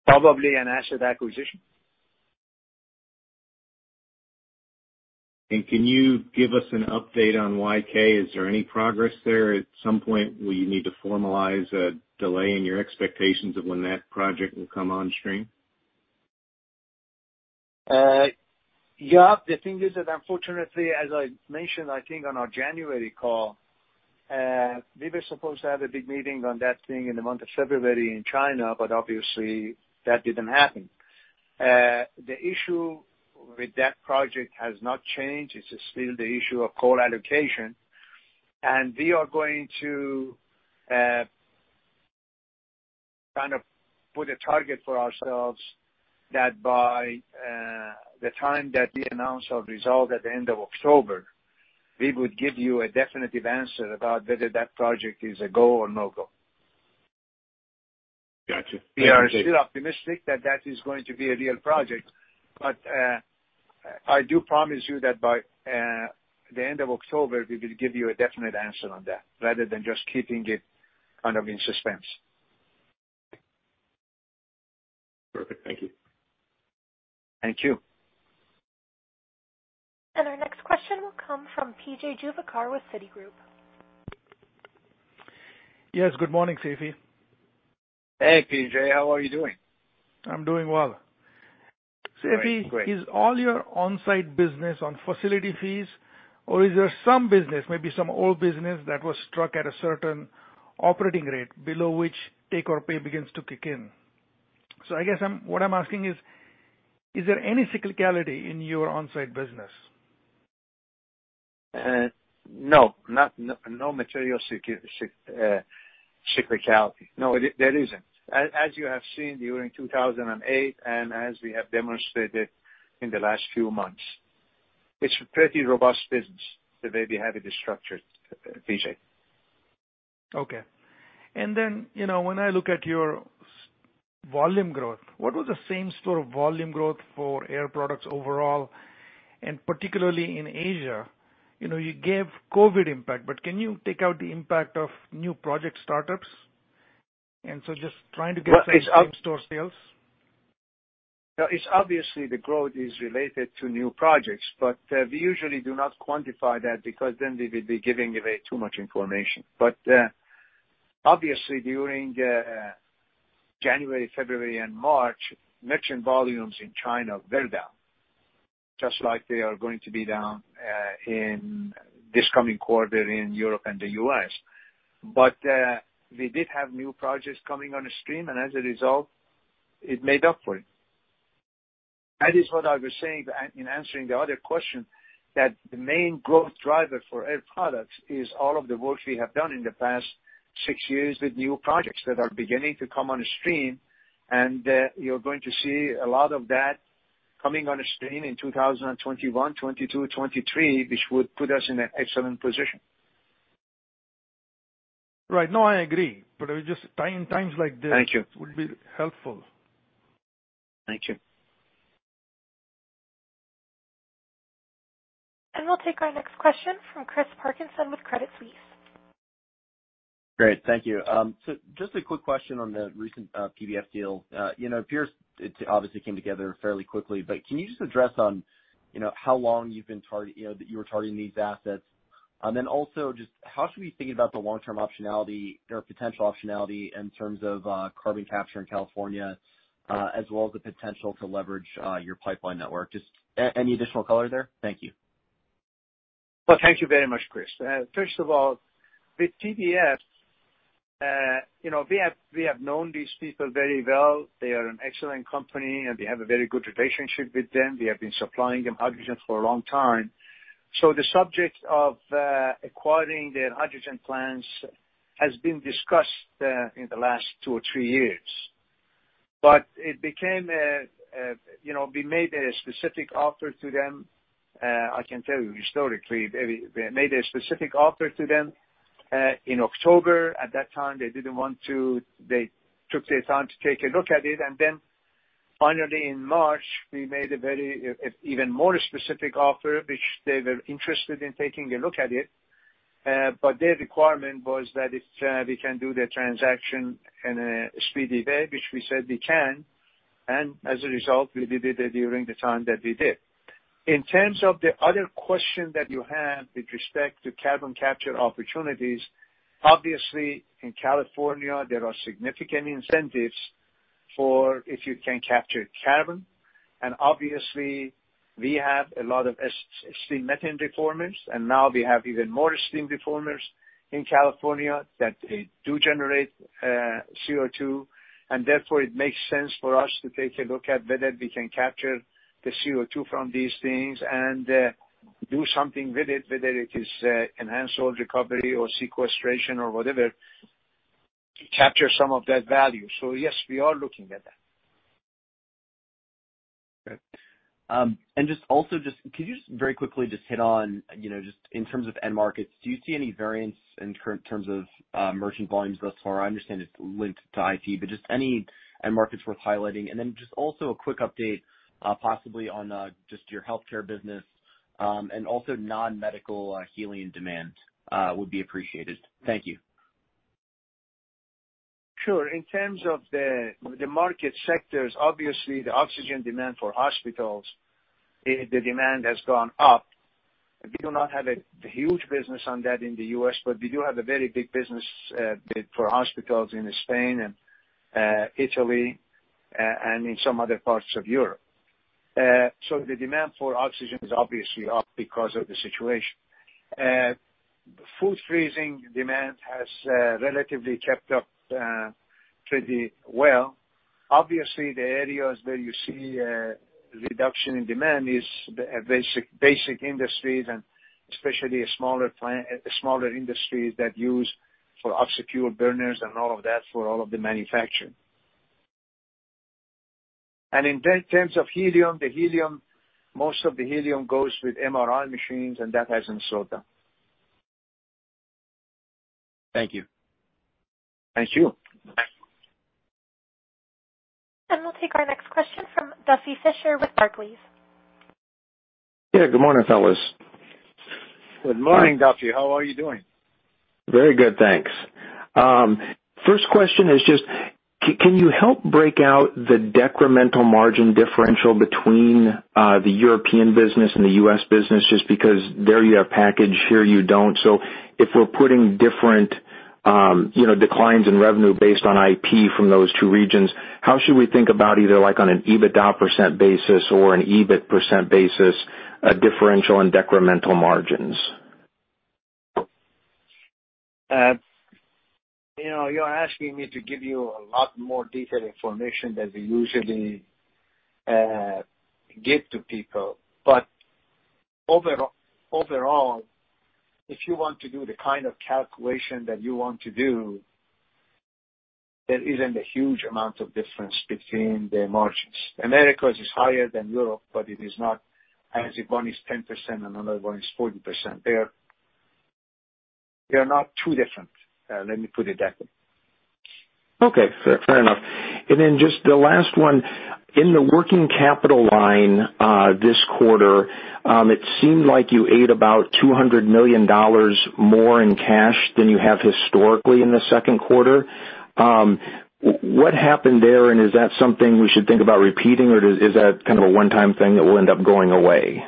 C: Probably an asset acquisition.
M: Can you give us an update on Yankuang? Is there any progress there? At some point, will you need to formalize a delay in your expectations of when that project will come on stream?
C: Yeah. The thing is that unfortunately, as I mentioned, I think on our January call, we were supposed to have a big meeting on that thing in the month of February in China. Obviously, that didn't happen. The issue with that project has not changed. It's still the issue of coal allocation. We are going to kind of put a target for ourselves that by the time that we announce our result at the end of October, we would give you a definitive answer about whether that project is a go or no-go.
M: Got you.
C: We are still optimistic that that is going to be a real project. I do promise you that by the end of October, we will give you a definite answer on that rather than just keeping it in suspense.
M: Perfect. Thank you.
C: Thank you.
A: Our next question will come from P.J. Juvekar with Citigroup. Yes, good morning, Seifi.
C: Hey, P.J., how are you doing?
N: I'm doing well.
C: Great.
N: Seifi, is all your on-site business on facility fees, or is there some business, maybe some old business, that was struck at a certain operating rate below which take or pay begins to kick in? I guess what I'm asking is there any cyclicality in your on-site business?
C: No. No material cyclicality. No, there isn't. As you have seen during 2008 and as we have demonstrated in the last few months, it's a pretty robust business, the way we have it structured, P.J.
N: Okay. When I look at your volume growth, what was the same store of volume growth for Air Products overall, and particularly in Asia? You gave COVID-19 impact, but can you take out the impact of new project startups? Just trying to get the same store sales?
C: Obviously, the growth is related to new projects, but we usually do not quantify that, because then we would be giving away too much information. Obviously, during January, February, and March, merchant volumes in China were down, just like they are going to be down in this coming quarter in Europe and the U.S. We did have new projects coming on the stream, and as a result, it made up for it. That is what I was saying in answering the other question, that the main growth driver for Air Products is all of the work we have done in the past six years with new projects that are beginning to come on the stream, and you're going to see a lot of that coming on the stream in 2021, 2022, 2023, which would put us in an excellent position.
N: Right. No, I agree. Just in times like this.
C: Thank you.
N: would be helpful.
C: Thank you.
A: We'll take our next question from Chris Parkinson with Credit Suisse. Great, thank you. Just a quick question on the recent PBF deal. It appears it obviously came together fairly quickly, but can you just address on how long you were targeting these assets? Also, just how should we think about the long-term optionality or potential optionality in terms of carbon capture in California, as well as the potential to leverage your pipeline network? Just any additional color there? Thank you.
C: Well, thank you very much, Chris. First of all, with PBF, we have known these people very well. They are an excellent company, and we have a very good relationship with them. We have been supplying them oxygen for a long time. The subject of acquiring their hydrogen plants has been discussed in the last two or three years. We made a specific offer to them, I can tell you historically, we made a specific offer to them in October. At that time, they took their time to take a look at it, and then finally in March, we made an even more specific offer, which they were interested in taking a look at it. Their requirement was that if we can do the transaction in a speedy way, which we said we can, and as a result, we did it during the time that we did. In terms of the other question that you have with respect to carbon capture opportunities, obviously, in California, there are significant incentives for if you can capture carbon. Obviously, we have a lot of steam methane reformers, and now we have even more steam reformers in California that do generate CO2, and therefore, it makes sense for us to take a look at whether we can capture the CO2 from these things and do something with it, whether it is enhanced oil recovery or sequestration or whatever, to capture some of that value. Yes, we are looking at that.
O: Okay. Could you just very quickly just hit on, just in terms of end markets, do you see any variance in terms of merchant volumes thus far? I understand it's linked to IP, but just any end markets worth highlighting. Just also a quick update, possibly on just your healthcare business. Also non-medical helium demand would be appreciated. Thank you.
C: Sure. In terms of the market sectors, obviously the oxygen demand for hospitals, the demand has gone up. We do not have a huge business on that in the U.S., but we do have a very big business for hospitals in Spain and Italy, and in some other parts of Europe. The demand for oxygen is obviously up because of the situation. Food freezing demand has relatively kept up pretty well. Obviously, the areas where you see a reduction in demand is basic industries and especially smaller industries that use for oxy-fuel burners and all of that for all of the manufacturing. In terms of helium, most of the helium goes with MRI machines, and that hasn't slowed down.
O: Thank you.
C: Thank you.
A: We'll take our next question from Duffy Fischer with Barclays. Yeah, good morning, fellas.
C: Good morning, Duffy. How are you doing?
P: Very good, thanks. First question is just, can you help break out the decremental margin differential between the European business and the U.S. business? Just because there you have package, here you don't. If we're putting different declines in revenue based on IP from those two regions, how should we think about either like on an EBITDA percent basis or an EBIT percent basis, a differential in decremental margins?
C: You're asking me to give you a lot more detailed information than we usually give to people. Overall, if you want to do the kind of calculation that you want to do, there isn't a huge amount of difference between the margins. Americas is higher than Europe, but it is not as if one is 10% and another one is 40%. They are not too different. Let me put it that way.
P: Okay, fair enough. Just the last one. In the working capital line, this quarter, it seemed like you ate about $200 million more in cash than you have historically in the second quarter. What happened there, and is that something we should think about repeating, or is that kind of a one-time thing that will end up going away?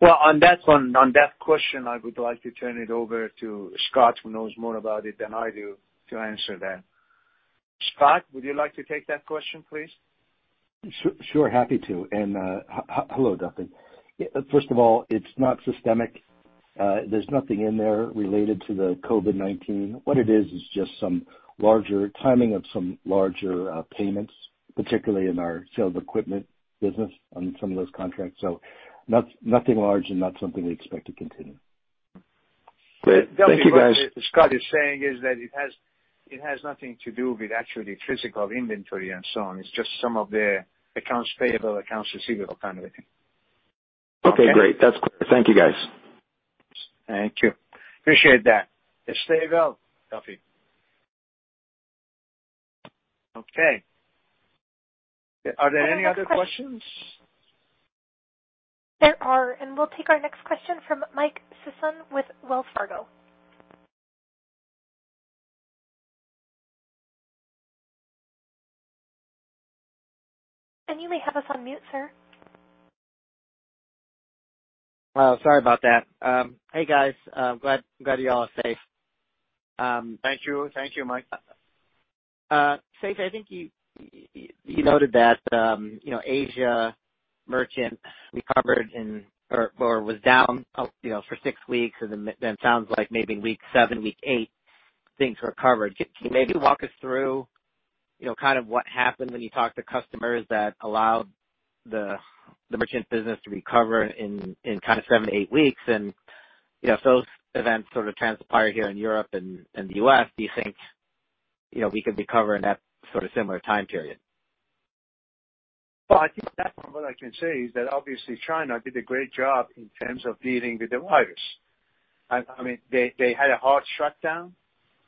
C: Well, on that question, I would like to turn it over to Scott, who knows more about it than I do, to answer that. Scott, would you like to take that question, please?
D: Sure. Happy to. Hello, Duffy. First of all, it's not systemic. There's nothing in there related to the COVID-19. What it is just timing of some larger payments, particularly in our sales equipment business on some of those contracts. Nothing large and not something we expect to continue.
C: Great. Thank you, guys. Duffy, what Scott is saying is that it has nothing to do with actually physical inventory and so on. It's just some of the accounts payable, accounts receivable kind of a thing.
P: Okay, great. That's clear. Thank you, guys.
C: Thank you. Appreciate that. Stay well, Duffy. Are there any other questions?
A: We'll take our next question from Mike Sison with Wells Fargo. You may have us on mute, sir. Sorry about that. Hey, guys. I'm glad you all are safe.
C: Thank you, Mike.
Q: Seifi, I think you noted that Asia merchant recovered or was down for six weeks, then it sounds like maybe week seven, week eight, things recovered. Can you maybe walk us through kind of what happened when you talked to customers that allowed the merchant business to recover in kind of seven to eight weeks? If those events sort of transpire here in Europe and the U.S., do you think we can recover in that sort of similar time period?
C: I think that from what I can say is that obviously China did a great job in terms of dealing with the virus. They had a hard shutdown,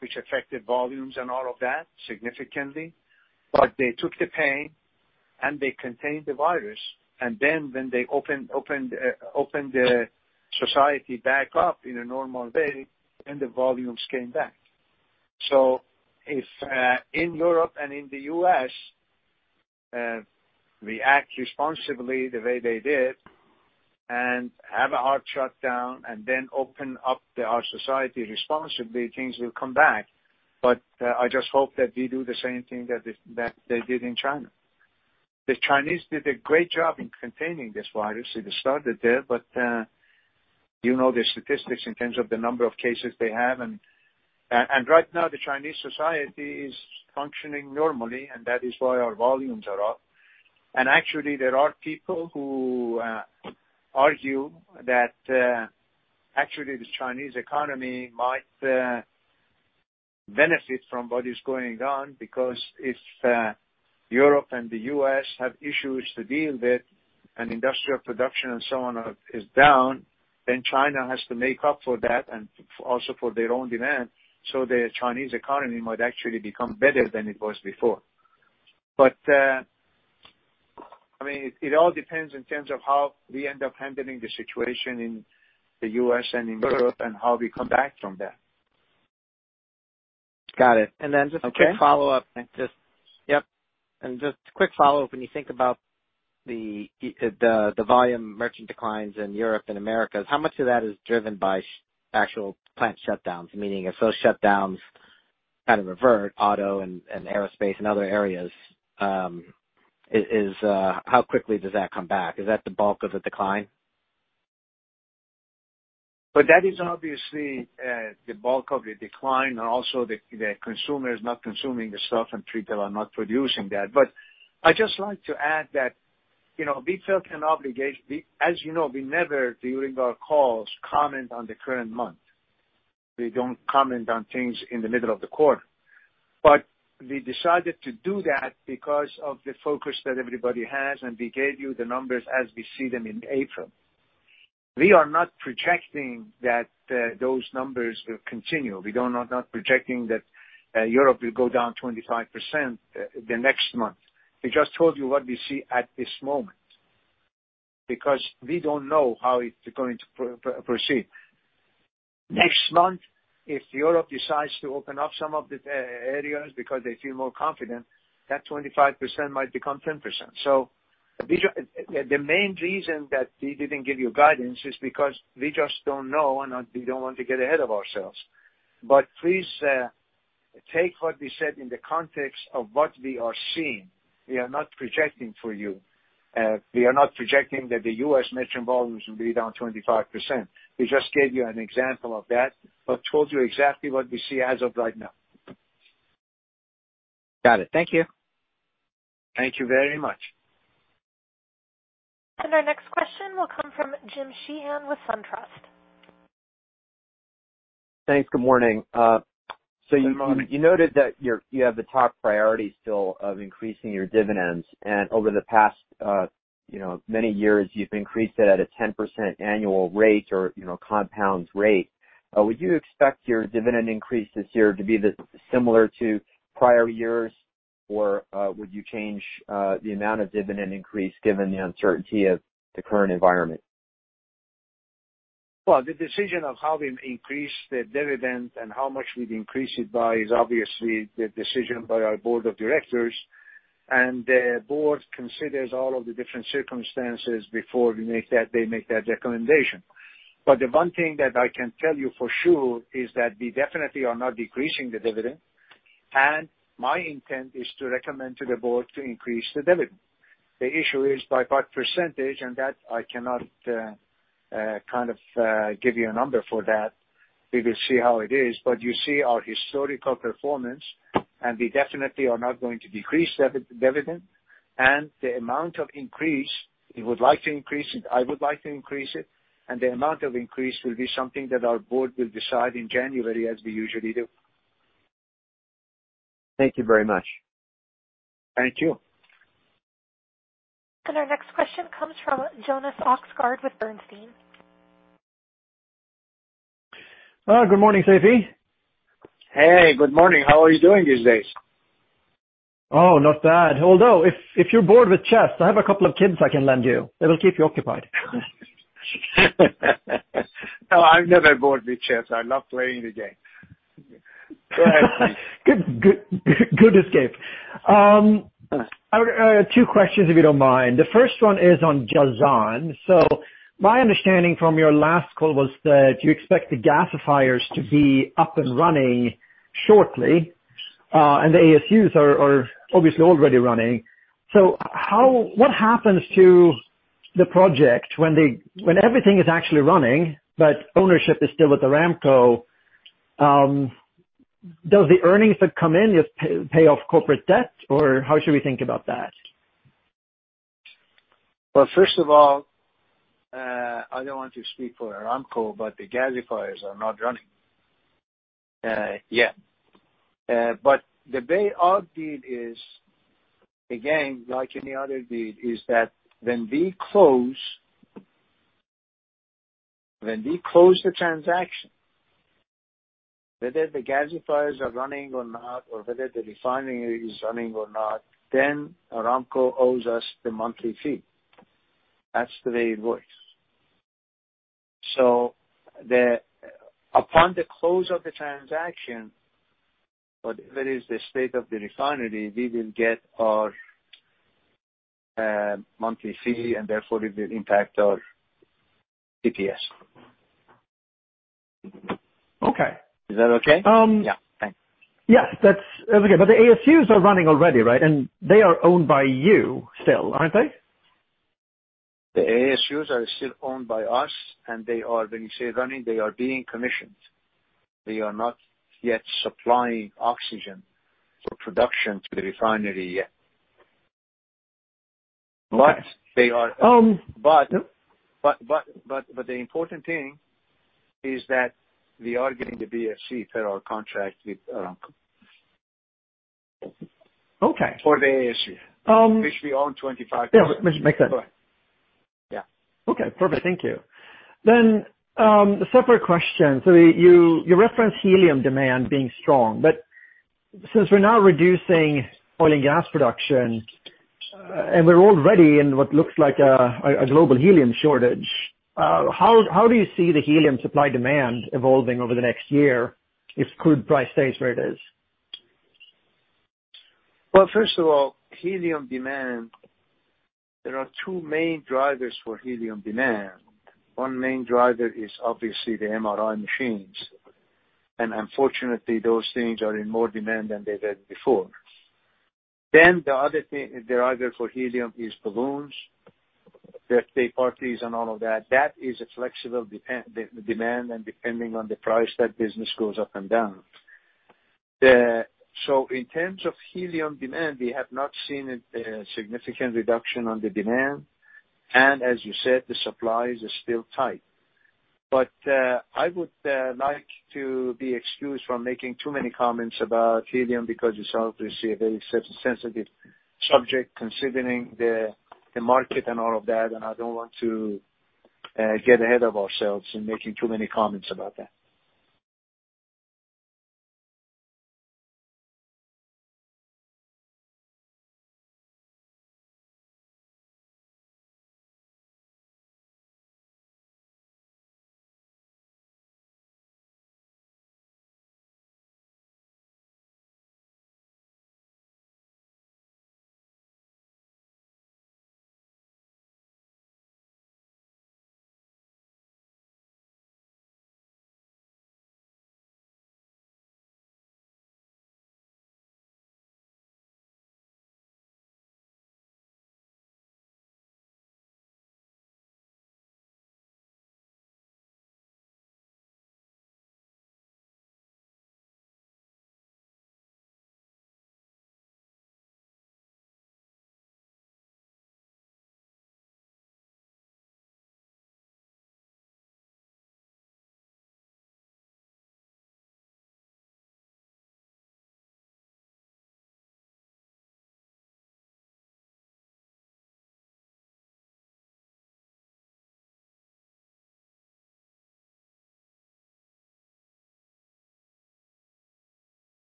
C: which affected volumes and all of that significantly. They took the pain, and they contained the virus. When they opened the society back up in a normal way, then the volumes came back. If in Europe and in the U.S., we act responsibly the way they did and have a hard shutdown and then open up our society responsibly, things will come back. I just hope that we do the same thing that they did in China. The Chinese did a great job in containing this virus. It started there. You know the statistics in terms of the number of cases they have, and right now the Chinese society is functioning normally, and that is why our volumes are up. Actually, there are people who argue that actually the Chinese economy might benefit from what is going on because if Europe and the U.S. have issues to deal with, and industrial production and so on is down, then China has to make up for that and also for their own demand. The Chinese economy might actually become better than it was before. It all depends in terms of how we end up handling the situation in the U.S. and in Europe and how we come back from that.
Q: Got it. Just a quick follow-up.
C: Okay.
Q: Yep. Just a quick follow-up. When you think about the volume merchant declines in Europe and Americas, how much of that is driven by actual plant shutdowns? Meaning if those shutdowns kind of revert auto and aerospace and other areas, how quickly does that come back? Is that the bulk of the decline?
C: That is obviously the bulk of the decline, and also the consumer is not consuming the stuff, and people are not producing that. I'd just like to add that, we felt an obligation. As you know, we never, during our calls, comment on the current month. We don't comment on things in the middle of the quarter. We decided to do that because of the focus that everybody has, and we gave you the numbers as we see them in April. We are not projecting that those numbers will continue. We are not projecting that Europe will go down 25% the next month. We just told you what we see at this moment because we don't know how it's going to proceed. Next month, if Europe decides to open up some of the areas because they feel more confident, that 25% might become 10%. The main reason that we didn't give you guidance is because we just don't know, and we don't want to get ahead of ourselves. Please take what we said in the context of what we are seeing. We are not projecting for you. We are not projecting that the U.S. merchant volumes will be down 25%. We just gave you an example of that, but told you exactly what we see as of right now.
Q: Got it. Thank you.
C: Thank you very much.
A: Our next question will come from Jim Sheehan with SunTrust. Thanks. Good morning.
C: Good morning.
R: You noted that you have the top priority still of increasing your dividends. Over the past many years, you've increased it at a 10% annual rate or compound rate. Would you expect your dividend increase this year to be similar to prior years, or would you change the amount of dividend increase given the uncertainty of the current environment?
C: Well, the decision of how we increase the dividend and how much we increase it by is obviously the decision by our board of directors. The board considers all of the different circumstances before they make that recommendation. The one thing that I can tell you for sure is that we definitely are not decreasing the dividend, and my intent is to recommend to the board to increase the dividend. The issue is by what percentage. That I cannot give you a number for that. We will see how it is, but you see our historical performance, and we definitely are not going to decrease the dividend. The amount of increase, we would like to increase it, I would like to increase it, and the amount of increase will be something that our board will decide in January as we usually do.
R: Thank you very much.
C: Thank you.
A: Our next question comes from Jonas Oxgaard with Bernstein. Good morning, Seifi.
C: Hey, good morning. How are you doing these days?
S: Oh, not bad. Although, if you're bored with chess, I have a couple of kids I can lend you. They will keep you occupied.
C: No, I'm never bored with chess. I love playing the game.
S: Good escape. Two questions, if you don't mind. The first one is on Jazan. My understanding from your last call was that you expect the gasifiers to be up and running shortly, and the ASUs are obviously already running. What happens to the project when everything is actually running, but ownership is still with Aramco? Does the earnings that come in pay off corporate debt, or how should we think about that?
C: First of all, I don't want to speak for Aramco, the gasifiers are not running yet. The way our deal is, again, like any other deal, is that when we close the transaction, whether the gasifiers are running or not, or whether the refinery is running or not, Aramco owes us the monthly fee. That's the way it works. Upon the close of the transaction, whatever is the state of the refinery, we will get our monthly fee, and therefore it will impact our EPS.
S: Okay.
C: Is that okay?
S: Yeah. Thanks. Yes, that's okay. The ASUs are running already, right? They are owned by you still, aren't they?
C: The ASUs are still owned by us, and when you say running, they are being commissioned. They are not yet supplying oxygen for production to the refinery yet.
S: Um-
C: The important thing is that we are getting the BFC per our contract with Aramco.
S: Okay.
C: For the ASU, which we own 25%.
S: Yeah. Makes sense.
C: Correct. Yeah.
S: Okay, perfect. Thank you. Separate question. You referenced helium demand being strong, but since we're now reducing oil and gas production, and we're already in what looks like a global helium shortage, how do you see the helium supply-demand evolving over the next year if crude price stays where it is?
C: Well, first of all, helium demand, there are two main drivers for helium demand. One main driver is obviously the MRI machines, and unfortunately, those things are in more demand than they were before. The other thing, the driver for helium is balloons, birthday parties, and all of that. That is a flexible demand, and depending on the price, that business goes up and down. In terms of helium demand, we have not seen a significant reduction on the demand, and as you said, the supplies are still tight. I would like to be excused from making too many comments about helium because it's obviously a very sensitive subject considering the market and all of that, and I don't want to get ahead of ourselves in making too many comments about that.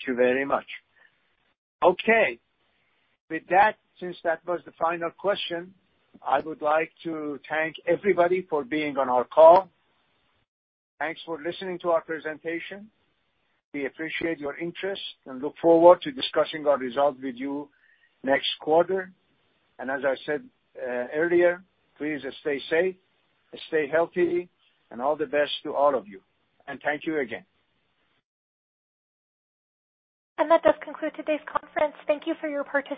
C: Thank you very much. Okay. With that, since that was the final question, I would like to thank everybody for being on our call. Thanks for listening to our presentation. We appreciate your interest and look forward to discussing our results with you next quarter. As I said earlier, please stay safe, stay healthy, and all the best to all of you. Thank you again.
A: That does conclude today's conference. Thank you for your participation.